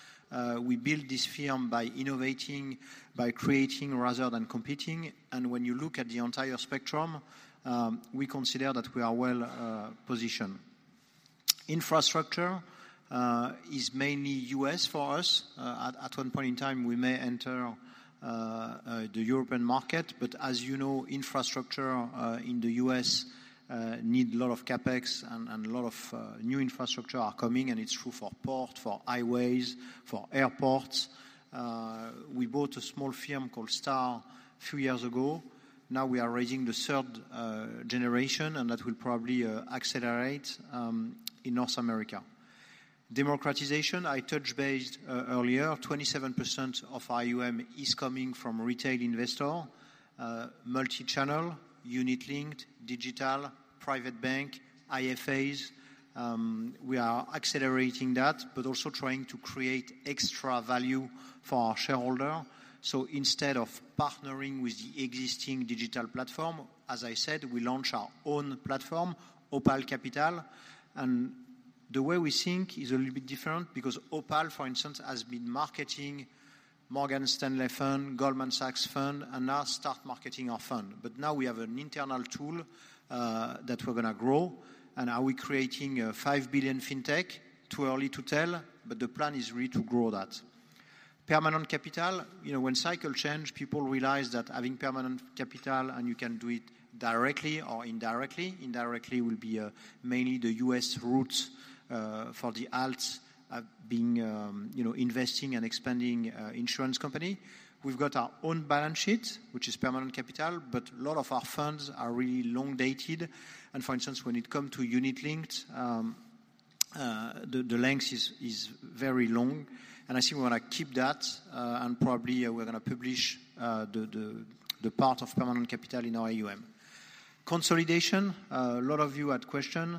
[SPEAKER 1] we build this firm by innovating, by creating rather than competing. And when you look at the entire spectrum, we consider that we are well positioned. Infrastructure is mainly U.S. for us. At one point in time, we may enter the European market, but as you know, infrastructure in the U.S. need a lot of CapEx and a lot of new infrastructure are coming, and it's true for port, for highways, for airports. We bought a small firm called Star a few years ago. Now we are raising the third generation, and that will probably accelerate in North America. Democratization, I touched base earlier. 27% of our AUM is coming from retail investor, multi-channel, unit-linked, digital, private bank, IFAs. We are accelerating that, but also trying to create extra value for our shareholder. So instead of partnering with the existing digital platform, as I said, we launch our own platform, Opal Capital. And the way we think is a little bit different because Opal, for instance, has been marketing Morgan Stanley fund, Goldman Sachs fund, and now start marketing our fund. But now we have an internal tool that we're gonna grow, and are we creating a 5 billion fintech? Too early to tell, but the plan is really to grow that. Permanent capital, you know, when cycle change, people realize that having permanent capital, and you can do it directly or indirectly. Indirectly will be mainly the U.S. route for the alts being you know investing and expanding insurance company. We've got our own balance sheet, which is permanent capital, but a lot of our funds are really long-dated. For instance, when it come to unit-linked, the length is very long, and I think we want to keep that, and probably we're gonna publish the part of permanent capital in our AUM consolidation, a lot of you had question.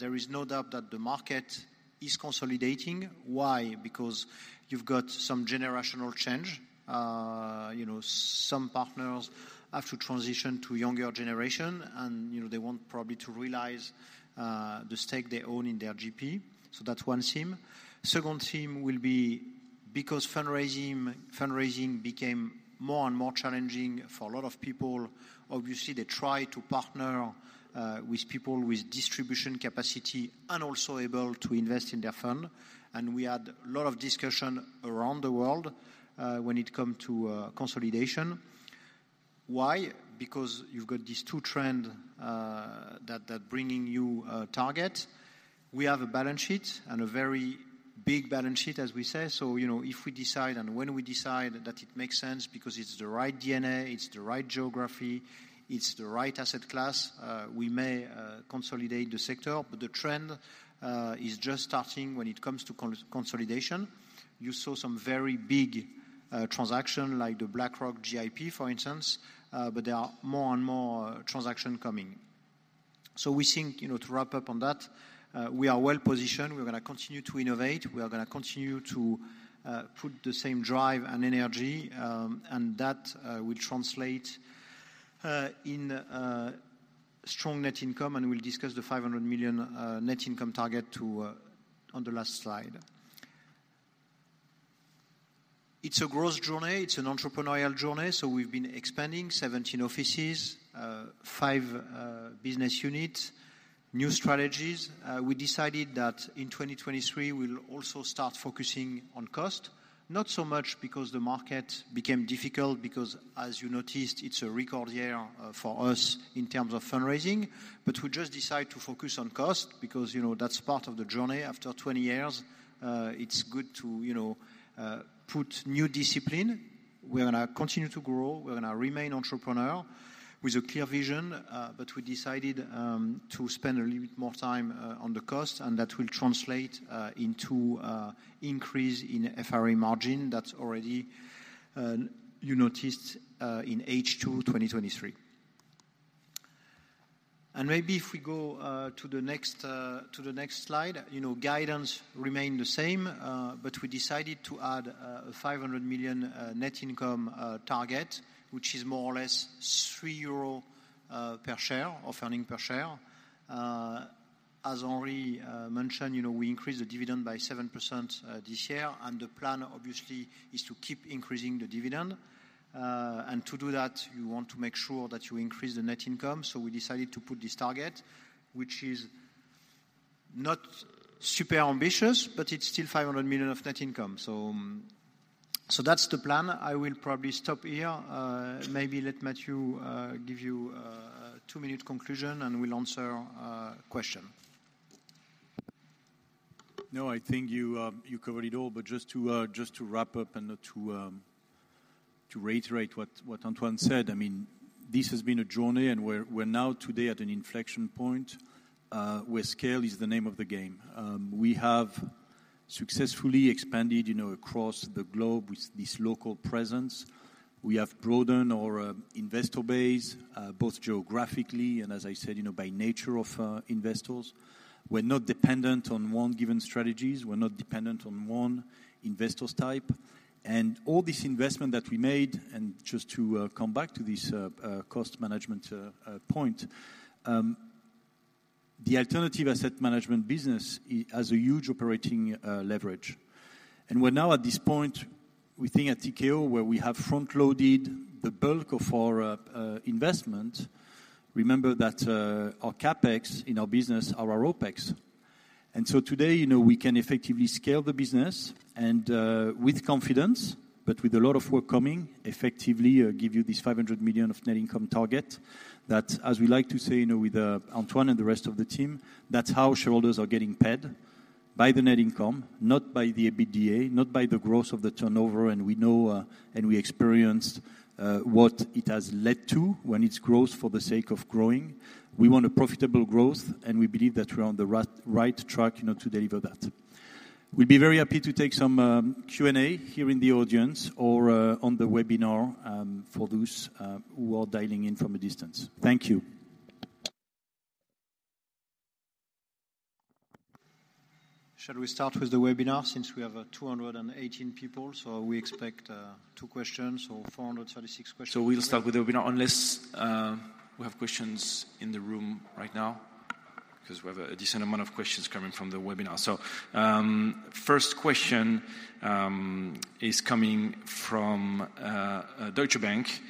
[SPEAKER 1] There is no doubt that the market is consolidating. Why? Because you've got some generational change. You know, some partners have to transition to younger generation, and you know, they want probably to realize the stake they own in their GP. So that's one theme. Second theme will be because fundraising, fundraising became more and more challenging for a lot of people. Obviously, they try to partner with people with distribution capacity and also able to invest in their fund. And we had a lot of discussion around the world when it come to consolidation. Why? Because you've got these two trend that bringing you a target. We have a balance sheet and a very big balance sheet, as we say. So, you know, if we decide and when we decide that it makes sense because it's the right DNA, it's the right geography, it's the right asset class, we may consolidate the sector. But the trend is just starting when it comes to consolidation. You saw some very big transaction like the BlackRock GIP, for instance, but there are more and more transaction coming. So we think, you know, to wrap up on that, we are well positioned. We're going to continue to innovate. We are going to continue to put the same drive and energy, and that will translate in a strong net income, and we'll discuss the 500 million net income target to on the last slide. It's a growth journey, it's an entrepreneurial journey, so we've been expanding 17 offices, five business units, new strategies. We decided that in 2023, we'll also start focusing on cost, not so much because the market became difficult because, as you noticed, it's a record year for us in terms of fundraising. But we just decide to focus on cost because, you know, that's part of the journey. After 20 years, it's good to, you know, put new discipline. We're going to continue to grow. We're going to remain entrepreneurial with a clear vision, but we decided to spend a little bit more time on the cost, and that will translate into increase in FRE margin. That's already, you noticed, in H2 2023. And maybe if we go to the next to the next slide, you know, guidance remained the same, but we decided to add a 500 million net income target, which is more or less 3 euro per share or earnings per share. As Henri mentioned, you know, we increased the dividend by 7% this year, and the plan obviously is to keep increasing the dividend. And to do that, you want to make sure that you increase the net income, so we decided to put this target, which is not super ambitious, but it's still 500 million of net income. So that's the plan. I will probably stop here. Maybe let Mathieu give you a 2-minute conclusion, and we'll answer question.
[SPEAKER 2] No, I think you, you covered it all, but just to, just to wrap up and to, to reiterate what, what Antoine said, I mean, this has been a journey, and we're, we're now today at an inflection point, where scale is the name of the game. We have successfully expanded, you know, across the globe with this local presence. We have broadened our, investor base, both geographically and, as I said, you know, by nature of our investors. We're not dependent on one given strategies. We're not dependent on one investors type. And all this investment that we made, and just to, come back to this, cost management, point, the alternative asset management business, it has a huge operating, leverage. And we're now at this point, we think at Tikehau, where we have front-loaded the bulk of our investment. Remember that our CapEx in our business are our OpEx. And so today, you know, we can effectively scale the business and with confidence, but with a lot of work coming, effectively give you this 500 million net income target. That, as we like to say, you know, with Antoine and the rest of the team, that's how shareholders are getting paid, by the net income, not by the EBITDA, not by the growth of the turnover. And we know and we experienced what it has led to when it's growth for the sake of growing. We want a profitable growth, and we believe that we're on the right, right track, you know, to deliver that. We'd be very happy to take some Q&A here in the audience or on the webinar for those who are dialing in from a distance. Thank you.
[SPEAKER 1] Shall we start with the webinar since we have 218 people, so we expect two questions or 436 questions?
[SPEAKER 4] So we'll start with the webinar unless we have questions in the room right now, because we have a decent amount of questions coming from the webinar. So, first question is coming from Deutsche Bank.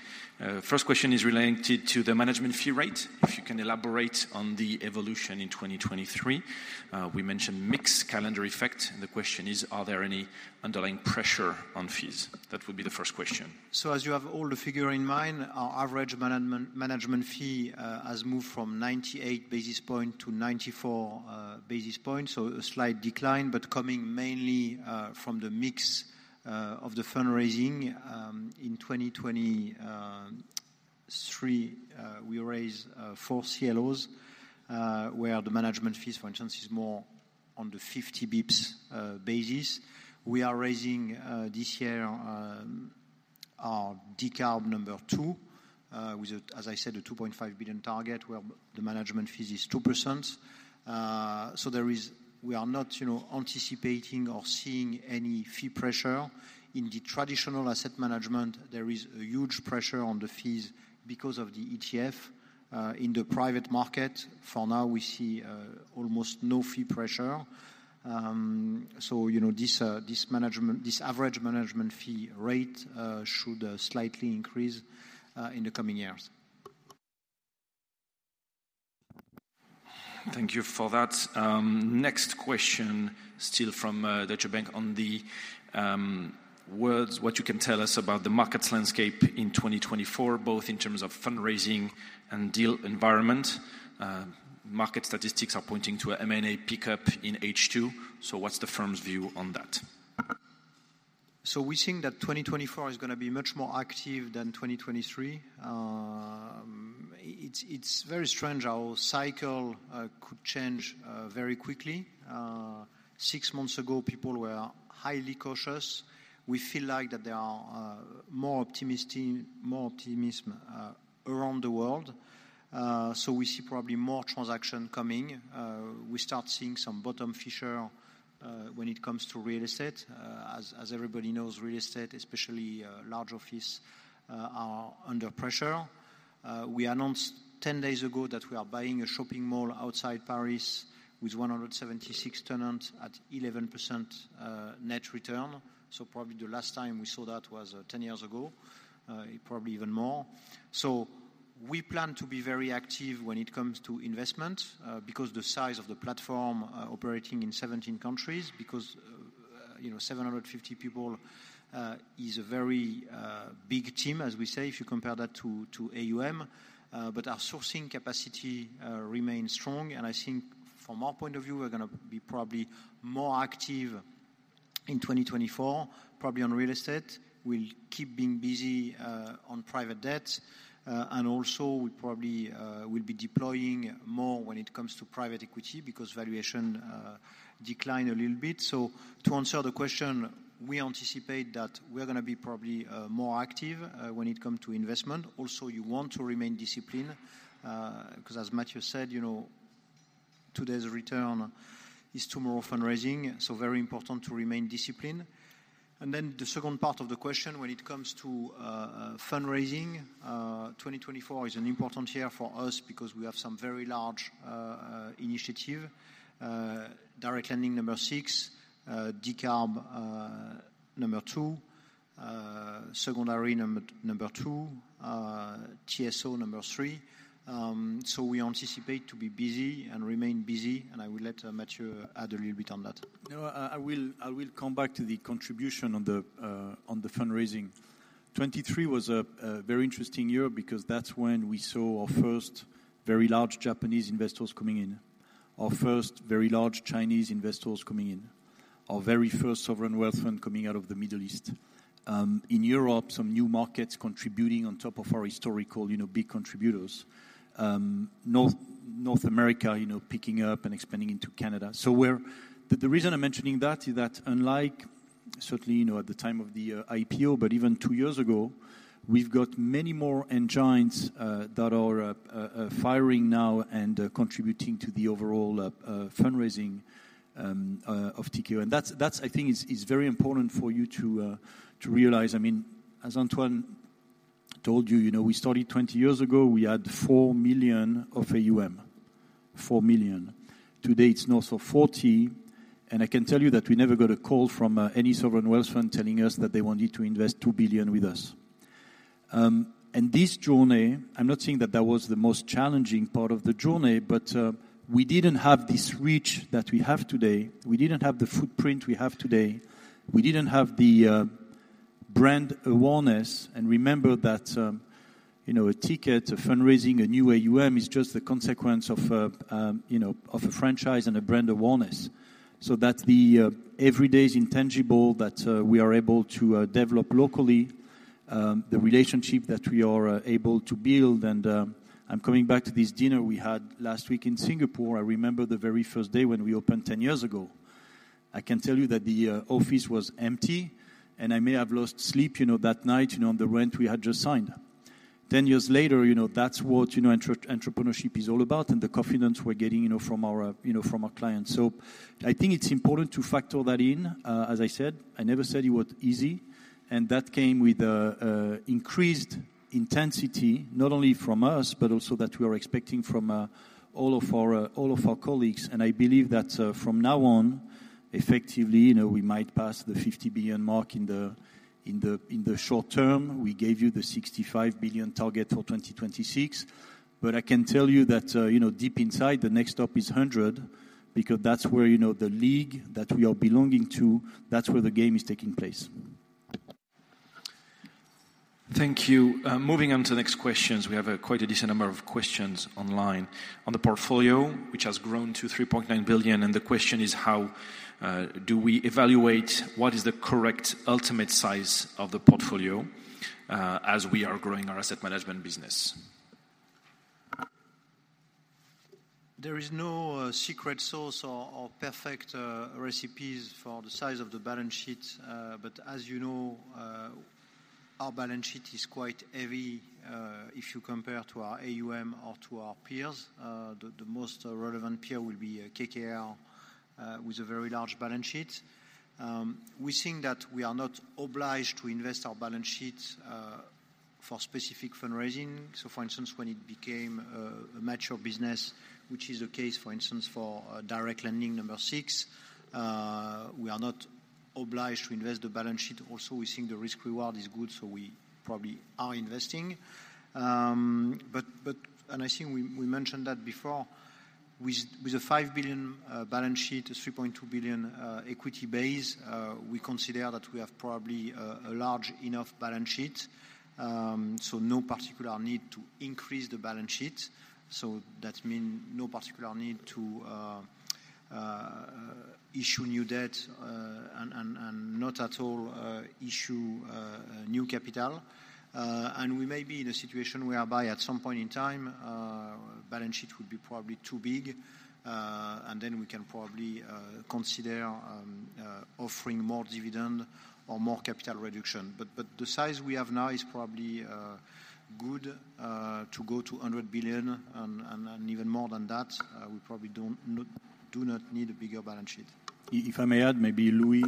[SPEAKER 4] First question is related to the management fee rate. If you can elaborate on the evolution in 2023. We mentioned mix calendar effect, and the question is: Are there any underlying pressure on fees? That would be the first question.
[SPEAKER 1] So, as you have all the figures in mind, our average management management fee has moved from 98 basis points to 94 basis points. So a slight decline, but coming mainly from the mix of the fundraising. In 2023, we raised four CLOs, where the management fees, for instance, is on the fifty basis points basis. We are raising this year our Decarb number two with a, as I said, a 2.5 billion target, where the management fee is 2%. So there is, we are not, you know, anticipating or seeing any fee pressure. In the traditional asset management, there is a huge pressure on the fees because of the ETF. In the private market, for now, we see almost no fee pressure. So, you know, this average management fee rate should slightly increase in the coming years.
[SPEAKER 4] Thank you for that. Next question, still from Deutsche Bank in other words, what you can tell us about the markets landscape in 2024, both in terms of fundraising and deal environment. Market statistics are pointing to a M&A pickup in H2, so what's the firm's view on that?
[SPEAKER 1] So we think that 2024 is gonna be much more active than 2023. It's very strange, our cycle could change very quickly. Six months ago, people were highly cautious. We feel like they are more optimistic, more optimism around the world. So we see probably more transaction coming. We start seeing some bottom fishing when it comes to real estate. As everybody knows, real estate, especially large office, are under pressure. We announced ten days ago that we are buying a shopping mall outside Paris with 176 tenants at 11% net return. So probably the last time we saw that was ten years ago, probably even more. So we plan to be very active when it comes to investment, because the size of the platform, operating in 17 countries, because, you know, 750 people, is a very, big team, as we say, if you compare that to, to AUM. But our sourcing capacity, remains strong, and I think from our point of view, we're gonna be probably more active in 2024, probably on real estate. We'll keep being busy, on private debt, and also we probably, will be deploying more when it comes to private equity because valuation, decline a little bit. So to answer the question, we anticipate that we are gonna be probably, more active, when it come to investment. Also, you want to remain disciplined, 'cause as Mathieu said, you know, today's return is tomorrow fundraising, so very important to remain disciplined. And then the second part of the question, when it comes to fundraising, 2024 is an important year for us because we have some very large initiative. Direct Lending number 6, Decarb number 2, Secondary number 2, TSO number 3. So we anticipate to be busy and remain busy, and I will let Mathieu add a little bit on that.
[SPEAKER 2] No, I will come back to the contribution on the fundraising. 2023 was a very interesting year because that's when we saw our first very large Japanese investors coming in, our first very large Chinese investors coming in, our very first sovereign wealth fund coming out of the Middle East. In Europe, some new markets contributing on top of our historical, you know, big contributors. North America, you know, picking up and expanding into Canada. But the reason I'm mentioning that is that unlike certainly, you know, at the time of the IPO, but even two years ago, we've got many more engines that are firing now and contributing to the overall fundraising of Tikehau. That's, I think, is very important for you to realize. I mean, as Antoine told you, you know, we started 20 years ago. We had 4 million of AUM, 4 million. Today, it's north of 40, and I can tell you that we never got a call from any sovereign wealth fund telling us that they wanted to invest 2 billion with us. And this journey, I'm not saying that that was the most challenging part of the journey, but we didn't have this reach that we have today. We didn't have the footprint we have today. We didn't have the brand awareness. And remember that, you know, a Tikehau, a fundraising, a new AUM, is just a consequence of, you know, of a franchise and a brand awareness. So that's the every day is intangible that we are able to develop locally the relationship that we are able to build. And I'm coming back to this dinner we had last week in Singapore. I remember the very first day when we opened 10 years ago. I can tell you that the office was empty, and I may have lost sleep, you know, that night, you know, on the rent we had just signed. 10 years later, you know, that's what, you know, entrepreneurship is all about and the confidence we're getting, you know, from our, you know, from our clients. So I think it's important to factor that in. As I said, I never said it was easy, and that came with increased intensity, not only from us, but also that we are expecting from all of our colleagues. I believe that, from now on, effectively, you know, we might pass the 50 billion mark in the short term. We gave you the 65 billion target for 2026. But I can tell you that, you know, deep inside, the next stop is 100, because that's where, you know, the league that we are belonging to, that's where the game is taking place.
[SPEAKER 4] Thank you. Moving on to the next questions, we have quite a decent number of questions online. On the portfolio, which has grown to 3.9 billion, and the question is: How do we evaluate what is the correct ultimate size of the portfolio as we are growing our asset management business?
[SPEAKER 1] There is no secret sauce or perfect recipes for the size of the balance sheet. But as you know, our balance sheet is quite heavy, if you compare to our AUM or to our peers. The most relevant peer will be KKR, with a very large balance sheet. We think that we are not obliged to invest our balance sheets, for specific fundraising. So, for instance, when it became a mature business, which is the case, for instance, for direct lending number six, we are not obliged to invest the balance sheet. Also, we think the risk reward is good, so we probably are investing. But, but-- and I think we, we mentioned that before, with, with a 5 billion balance sheet, a 3.2 billion equity base, we consider that we have probably a large enough balance sheet. So no particular need to increase the balance sheet, so that mean no particular need to issue new debt, and, and, and not at all issue new capital. And we may be in a situation whereby at some point in time, balance sheet would be probably too big, and then we can probably consider offering more dividend or more capital reduction. But, but the size we have now is probably good to go to 100 billion and, and, and even more than that, we probably do not need a bigger balance sheet.
[SPEAKER 2] If, if I may add, maybe Louis,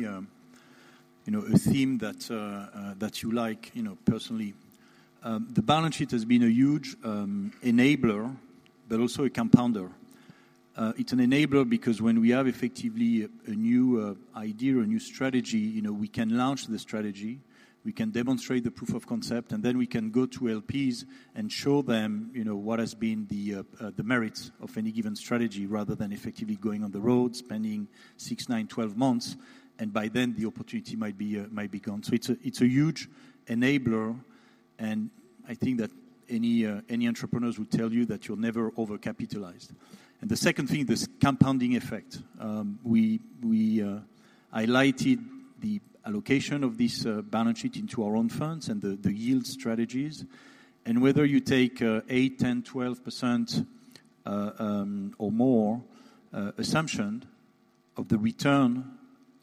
[SPEAKER 2] you know, a theme that, that you like, you know, personally. The balance sheet has been a huge enabler, but also a compounder. It's an enabler because when we have effectively a new idea or new strategy, you know, we can launch the strategy, we can demonstrate the proof of concept, and then we can go to LPs and show them, you know, what has been the, the merits of any given strategy, rather than effectively going on the road, spending six, nine, 12 months, and by then the opportunity might be, might be gone. So it's a huge enabler, and I think that any entrepreneurs would tell you that you're never over-capitalized. And the second thing, this compounding effect. We highlighted the allocation of this balance sheet into our own funds and the yield strategies. And whether you take 8%, 10%, 12% or more assumption of the return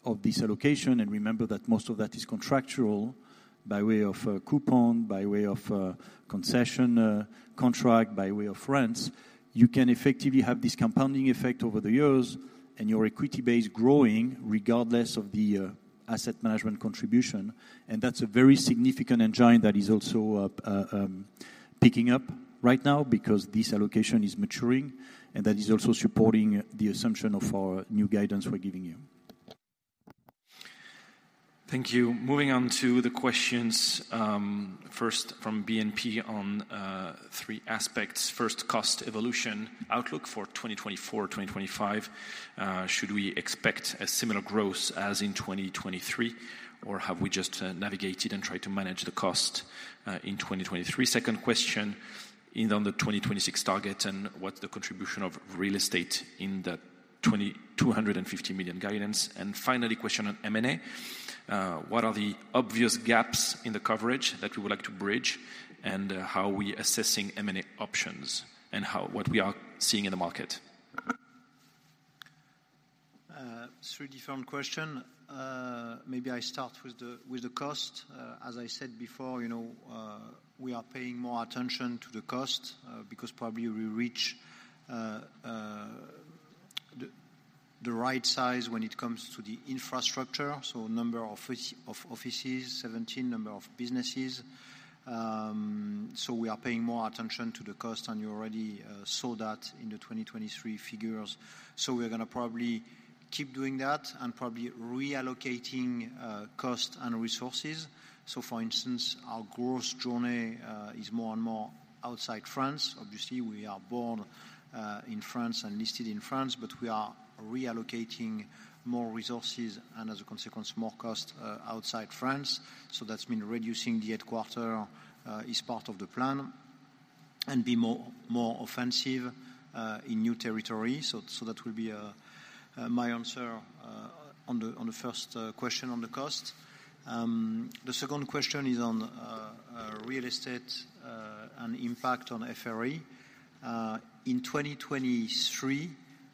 [SPEAKER 2] of this allocation, and remember that most of that is contractual by way of a coupon, by way of a concession contract, by way of rents, you can effectively have this compounding effect over the years and your equity base growing regardless of the asset management contribution. And that's a very significant engine that is also picking up right now because this allocation is maturing, and that is also supporting the assumption of our new guidance we're giving you.
[SPEAKER 4] Thank you. Moving on to the questions, first from BNP on three aspects. First, cost evolution outlook for 2024, 2025. Should we expect a similar growth as in 2023, or have we just navigated and tried to manage the cost in 2023? Second question, on the 2026 target, and what's the contribution of real estate in that 2,250 million guidance? Finally, question on M&A. What are the obvious gaps in the coverage that we would like to bridge, and how are we assessing M&A options and what we are seeing in the market?
[SPEAKER 1] Three different questions. Maybe I start with the cost. As I said before, you know, we are paying more attention to the cost, because probably we reach the right size when it comes to the infrastructure, so number of offices, 17, number of businesses. So we are paying more attention to the cost, and you already saw that in the 2023 figures. So we are gonna probably keep doing that and probably reallocating cost and resources. So, for instance, our growth journey is more and more outside France. Obviously, we are born in France and listed in France, but we are reallocating more resources and, as a consequence, more cost outside France. So that means reducing the headquarters is part of the plan, and be more, more offensive in new territory. So that will be my answer on the first question on the cost. The second question is on real estate and impact on FRE. In 2023,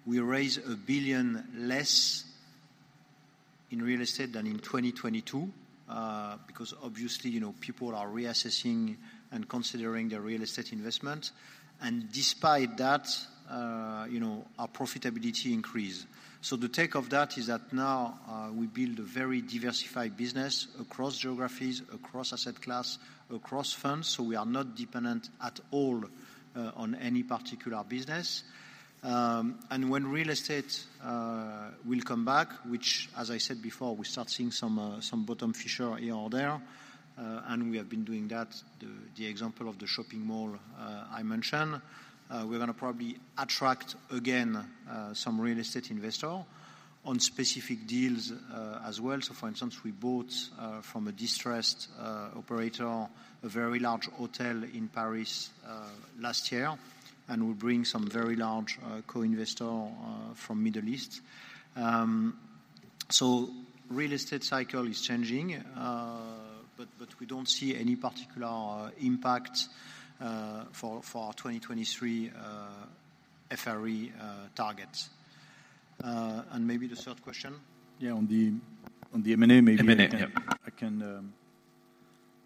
[SPEAKER 1] we raised 1 billion less in real estate than in 2022, because obviously, you know, people are reassessing and considering their real estate investment. And despite that, you know, our profitability increase. So the takeaway of that is that now we build a very diversified business across geographies, across asset class, across funds, so we are not dependent at all on any particular business. And when real estate will come back, which, as I said before, we start seeing some some bottom fishing here or there, and we have been doing that, the example of the shopping mall I mentioned. We're gonna probably attract again some real estate investor on specific deals as well. So for instance, we bought from a distressed operator, a very large hotel in Paris last year, and we bring some very large co-investor from Middle East. So real estate cycle is changing, we don't see any particular impact for our 2023 FRE targets. And maybe the third question?
[SPEAKER 2] Yeah, on the M&A maybe-
[SPEAKER 4] M&A, yeah.
[SPEAKER 2] I can,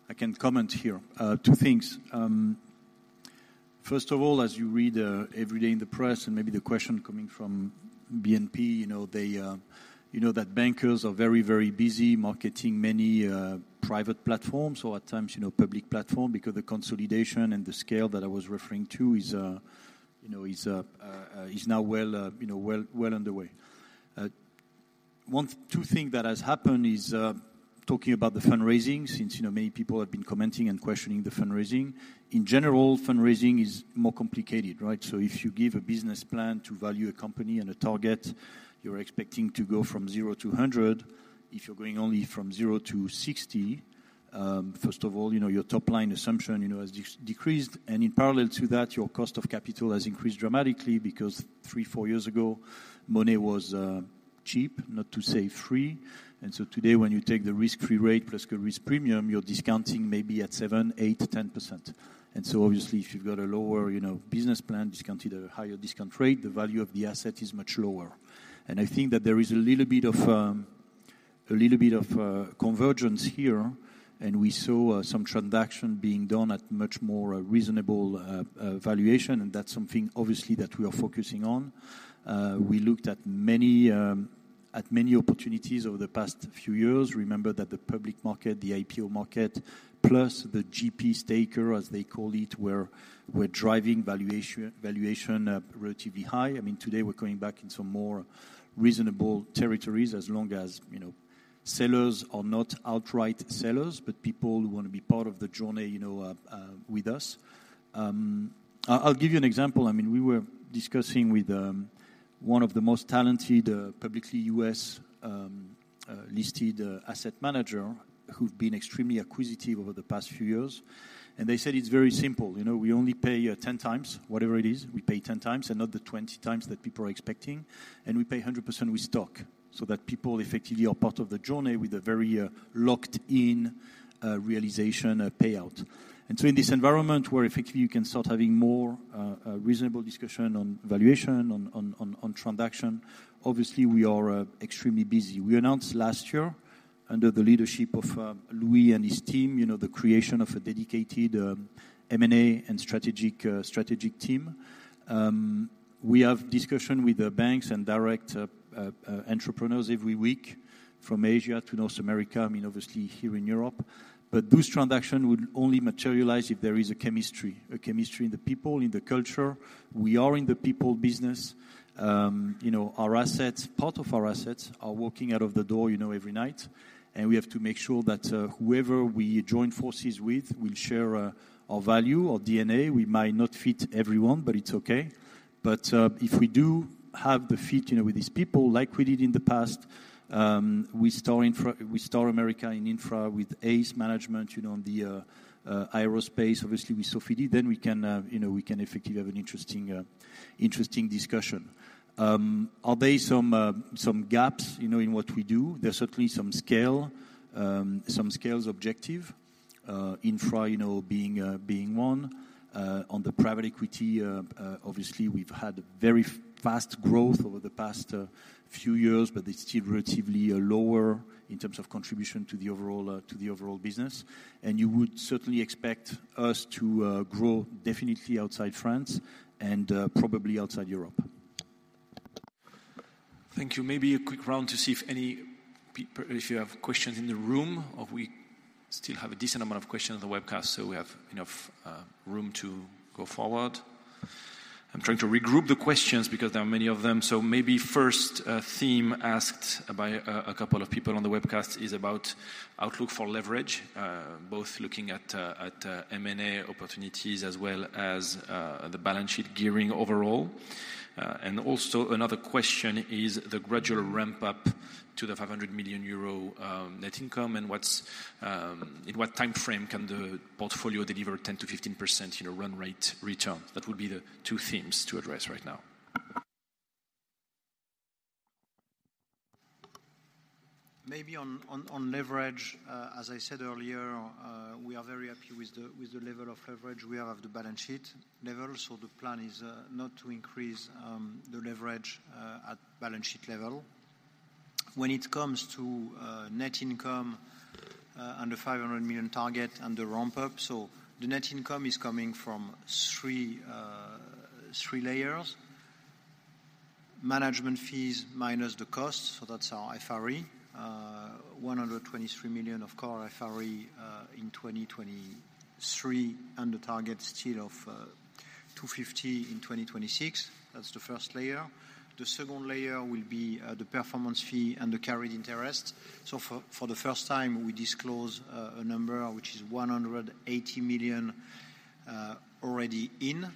[SPEAKER 2] I can comment here. Two things. First of all, as you read every day in the press, and maybe the question coming from BNP, you know, they, you know that bankers are very, very busy marketing many private platforms or at times, you know, public platform, because the consolidation and the scale that I was referring to is, you know, is, is now well, you know, well, well underway. One, two thing that has happened is, talking about the fundraising, since, you know, many people have been commenting and questioning the fundraising. In general, fundraising is more complicated, right? So if you give a business plan to value a company and a target, you're expecting to go from zero to 100. If you're going only from zero to sixty, first of all, you know, your top-line assumption, you know, has decreased, and in parallel to that, your cost of capital has increased dramatically because 3, 4 years ago, money was cheap, not to say free. And so today, when you take the risk-free rate plus the risk premium, you're discounting maybe at 7%, 8%, 10%. And so obviously, if you've got a lower, you know, business plan, discounted a higher discount rate, the value of the asset is much lower. And I think that there is a little bit of a little bit of convergence here, and we saw some transaction being done at much more reasonable valuation, and that's something obviously that we are focusing on. We looked at many at many opportunities over the past few years. Remember that the public market, the IPO market, plus the GP staker, as they call it, were driving valuation relatively high. I mean, today we're going back in some more reasonable territories as long as, you know, sellers are not outright sellers, but people who want to be part of the journey, you know, with us. I'll give you an example. I mean, we were discussing with one of the most talented publicly U.S. listed asset manager who've been extremely acquisitive over the past few years, and they said it's very simple. "You know, we only pay 10x. Whatever it is, we pay 10x and not the 20x that people are expecting, and we pay 100% with stock so that people effectively are part of the journey with a very locked-in realization payout. So in this environment where effectively you can start having more reasonable discussion on valuation, on transaction, obviously, we are extremely busy. We announced last year, under the leadership of Louis and his team, you know, the creation of a dedicated M&A and strategic team. We have discussion with the banks and direct entrepreneurs every week from Asia to North America, I mean, obviously here in Europe. But those transaction would only materialize if there is a chemistry, a chemistry in the people, in the culture. We are in the people business. You know, our assets, part of our assets are walking out of the door, you know, every night, and we have to make sure that whoever we join forces with will share our value, our DNA. We might not fit everyone, but it's okay. If we do have the fit, you know, with these people, like we did in the past, with Star America in Infra, with Ace Capital, you know, on the aerospace, obviously with Sofidy, then we can, you know, we can effectively have an interesting, interesting discussion. Are there some, some gaps, you know, in what we do? There's certainly some scale, some scales objective, infra, you know, being, being one. On the private equity, obviously, we've had very fast growth over the past few years, but it's still relatively lower in terms of contribution to the overall business. And you would certainly expect us to grow definitely outside France and probably outside Europe.
[SPEAKER 4] Thank you. Maybe a quick round to see if any people if you have questions in the room, or we still have a decent amount of questions on the webcast, so we have enough room to go forward. I'm trying to regroup the questions because there are many of them. So maybe first theme asked by a couple of people on the webcast is about outlook for leverage both looking at M&A opportunities as well as the balance sheet gearing overall. And also another question is the gradual ramp-up to the 500 million euro net income, and what's in what timeframe can the portfolio deliver 10%-15% you know run rate return? That would be the two themes to address right now.
[SPEAKER 1] Maybe on leverage, as I said earlier, we are very happy with the level of leverage we have at the balance sheet level, so the plan is not to increase the leverage at balance sheet level. When it comes to net income and the 500 million target and the ramp-up, so the net income is coming from three layers: management fees minus the cost, so that's our FRE. 123 million of core FRE in 2023, and the target still of 250 million in 2026. That's the first layer. The second layer will be the performance fee and the carried interest. So for the first time, we disclose a number which is 180 million already in.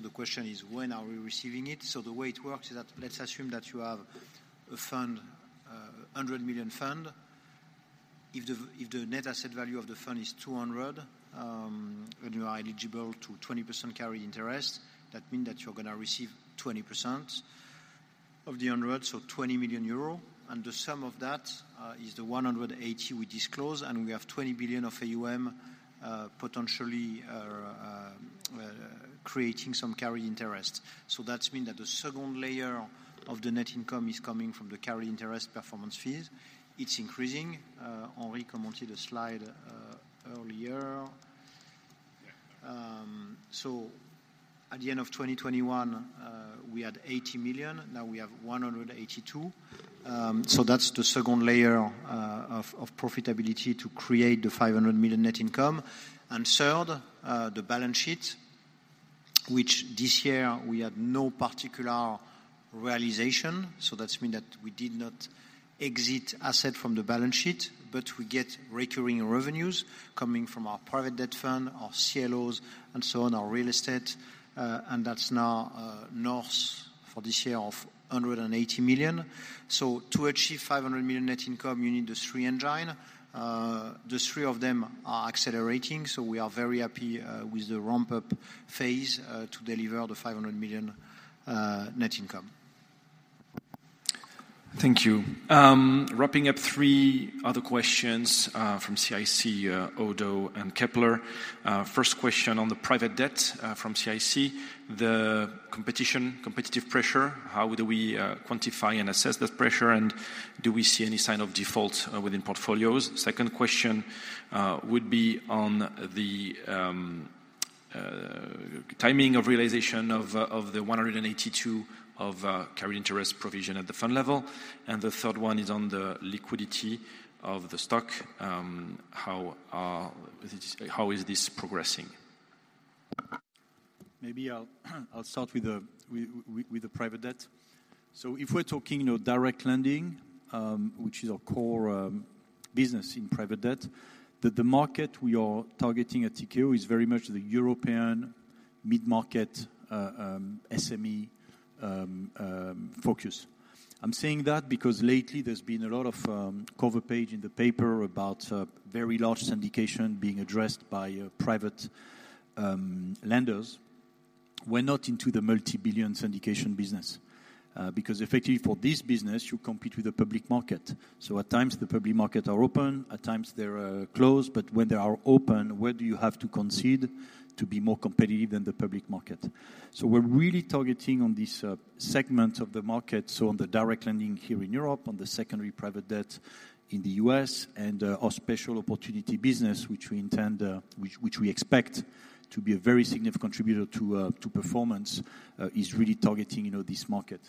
[SPEAKER 1] The question is: When are we receiving it? The way it works is that let's assume that you have a fund, a 100 million fund. If the net asset value of the fund is 200, when you are eligible to 20% carry interest, that mean that you're gonna receive 20% of the 100, so 20 million euro. And the sum of that is the 180 we disclose, and we have 20 billion of AUM, potentially creating some carry interest. That's mean that the second layer of the net income is coming from the carry interest performance fees. It's increasing. Henri commented a slide earlier.
[SPEAKER 4] Yeah.
[SPEAKER 1] So at the end of 2021, we had 80 million, now we have 182 million. So that's the second layer of profitability to create the 500 million net income. And third, the balance sheet, which this year we had no particular realization, so that means that we did not exit assets from the balance sheet, but we get recurring revenues coming from our private debt fund, our CLOs, and so on, our real estate, and that's now north of 180 million for this year. So to achieve 500 million net income, you need the three engines. The three of them are accelerating, so we are very happy with the ramp-up phase to deliver the 500 million net income.
[SPEAKER 4] Thank you. Wrapping up three other questions from CIC, Oddo, and Kepler. First question on the private debt from CIC, the competition, competitive pressure, how do we quantify and assess that pressure, and do we see any sign of default within portfolios? Second question would be on the timing of realization of the 182 of carried interest provision at the fund level. And the third one is on the liquidity of the stock. How is this progressing?
[SPEAKER 2] Maybe I'll start with the private debt. So if we're talking, you know, direct lending, which is our core business in private debt, that the market we are targeting at Tikehau is very much the European mid-market, SME focus. I'm saying that because lately there's been a lot of cover page in the paper about very large syndication being addressed by private lenders. We're not into the multi-billion syndication business because effectively for this business, you compete with the public market. So at times, the public market are open, at times they're closed, but when they are open, where do you have to concede to be more competitive than the public market? So we're really targeting on this segment of the market, so on the direct lending here in Europe, on the secondary private debt in the U.S., and our special opportunity business, which we intend, which, which we expect to be a very significant contributor to performance, is really targeting, you know, this market.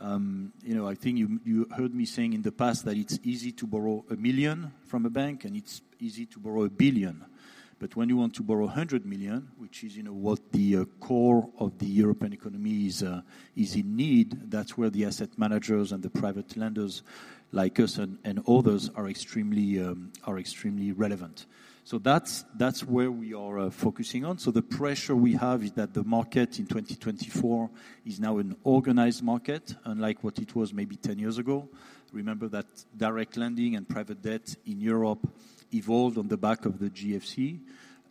[SPEAKER 2] You know, I think you heard me saying in the past that it's easy to borrow 1 million from a bank, and it's easy to borrow 1 billion. But when you want to borrow 100 million, which is, you know, what the core of the European economy is in need, that's where the asset managers and the private lenders, like us and others, are extremely relevant. So that's where we are focusing on. So the pressure we have is that the market in 2024 is now an organized market, unlike what it was maybe 10 years ago. Remember that direct lending and private debt in Europe evolved on the back of the GFC.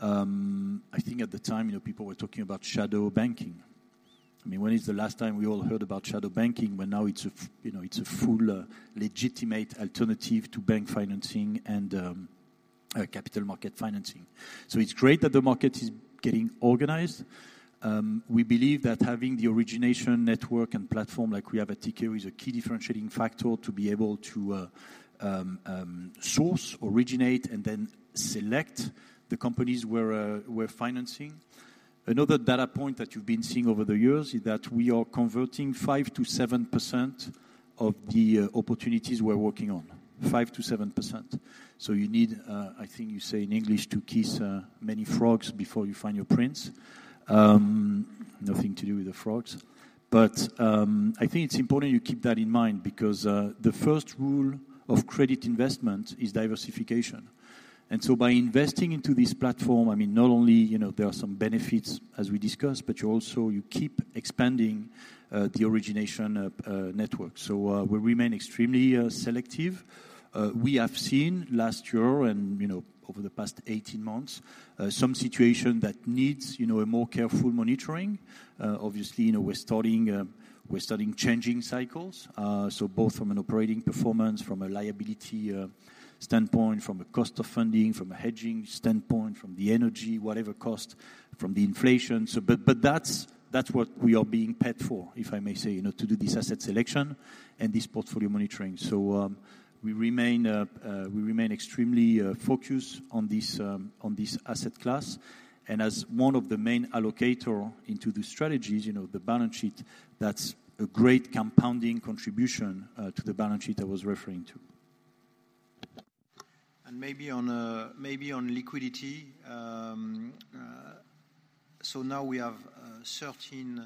[SPEAKER 2] I think at the time, you know, people were talking about shadow banking. I mean, when is the last time we all heard about shadow banking, when now it's a you know, it's a full legitimate alternative to bank financing and capital market financing? So it's great that the market is getting organized. We believe that having the origination network and platform like we have at Tikehau is a key differentiating factor to be able to source, originate, and then select the companies we're financing. Another data point that you've been seeing over the years is that we are converting 5%-7% of the opportunities we're working on. 5%-7%. So you need, I think you say in English, to kiss many frogs before you find your prince. Nothing to do with the frogs. But I think it's important you keep that in mind because the first rule of credit investment is diversification. And so by investing into this platform, I mean, not only, you know, there are some benefits, as we discussed, but you also, you keep expanding the origination network. So we remain extremely selective. We have seen last year and, you know, over the past 18 months, some situation that needs, you know, a more careful monitoring. Obviously, you know, we're starting, we're starting changing cycles, so both from an operating performance, from a liability standpoint, from a cost of funding, from a hedging standpoint, from the energy, whatever cost, from the inflation. So but, but that's, that's what we are being paid for, if I may say, you know, to do this asset selection and this portfolio monitoring. So, we remain, we remain extremely focused on this, on this asset class. And as one of the main allocator into the strategies, you know, the balance sheet, that's a great compounding contribution to the balance sheet I was referring to.
[SPEAKER 1] Maybe on liquidity. So now we have 13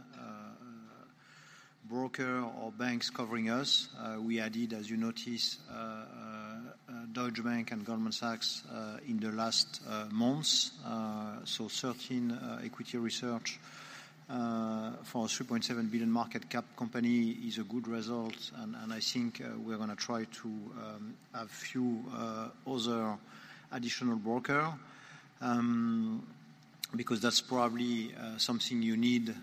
[SPEAKER 1] brokers or banks covering us. We added, as you notice, Deutsche Bank and Goldman Sachs in the last months. So 13 equity research for a 3.7 billion market cap company is a good result, and I think we're gonna try to have few other additional broker. Because that's probably something you need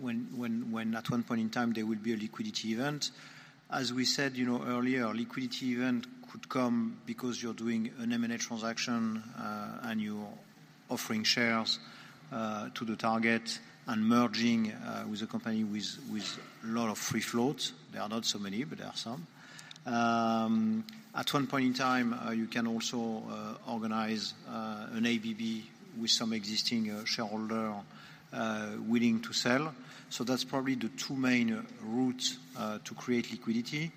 [SPEAKER 1] when at one point in time there will be a liquidity event. As we said, you know, earlier, a liquidity event could come because you're doing an M&A transaction and you're offering shares to the target and merging with a company with a lot of free floats. There are not so many, but there are some. At one point in time, you can also organize an ABB with some existing shareholder willing to sell. So that's probably the two main routes to create liquidity.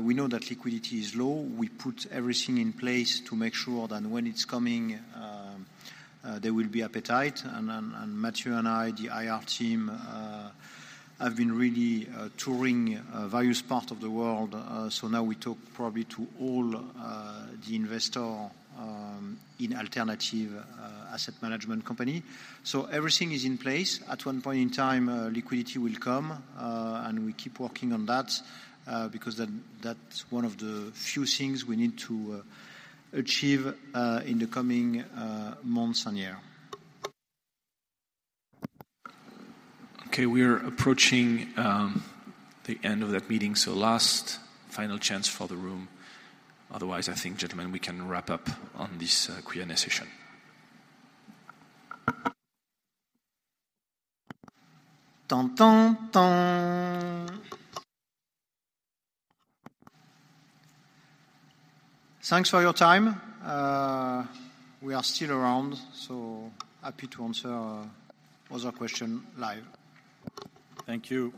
[SPEAKER 1] We know that liquidity is low. We put everything in place to make sure that when it's coming, there will be appetite. And Mathieu and I, the IR team, have been really touring various parts of the world. So now we talk probably to all the investor in alternative asset management company. So everything is in place. At one point in time, liquidity will come, and we keep working on that, because that's one of the few things we need to achieve in the coming months and year.
[SPEAKER 4] Okay, we are approaching the end of that meeting, so last final chance for the room. Otherwise, I think, gentlemen, we can wrap up on this Q&A session.
[SPEAKER 1] Dun, dun, dun! Thanks for your time. We are still around, so happy to answer other question live. Thank you.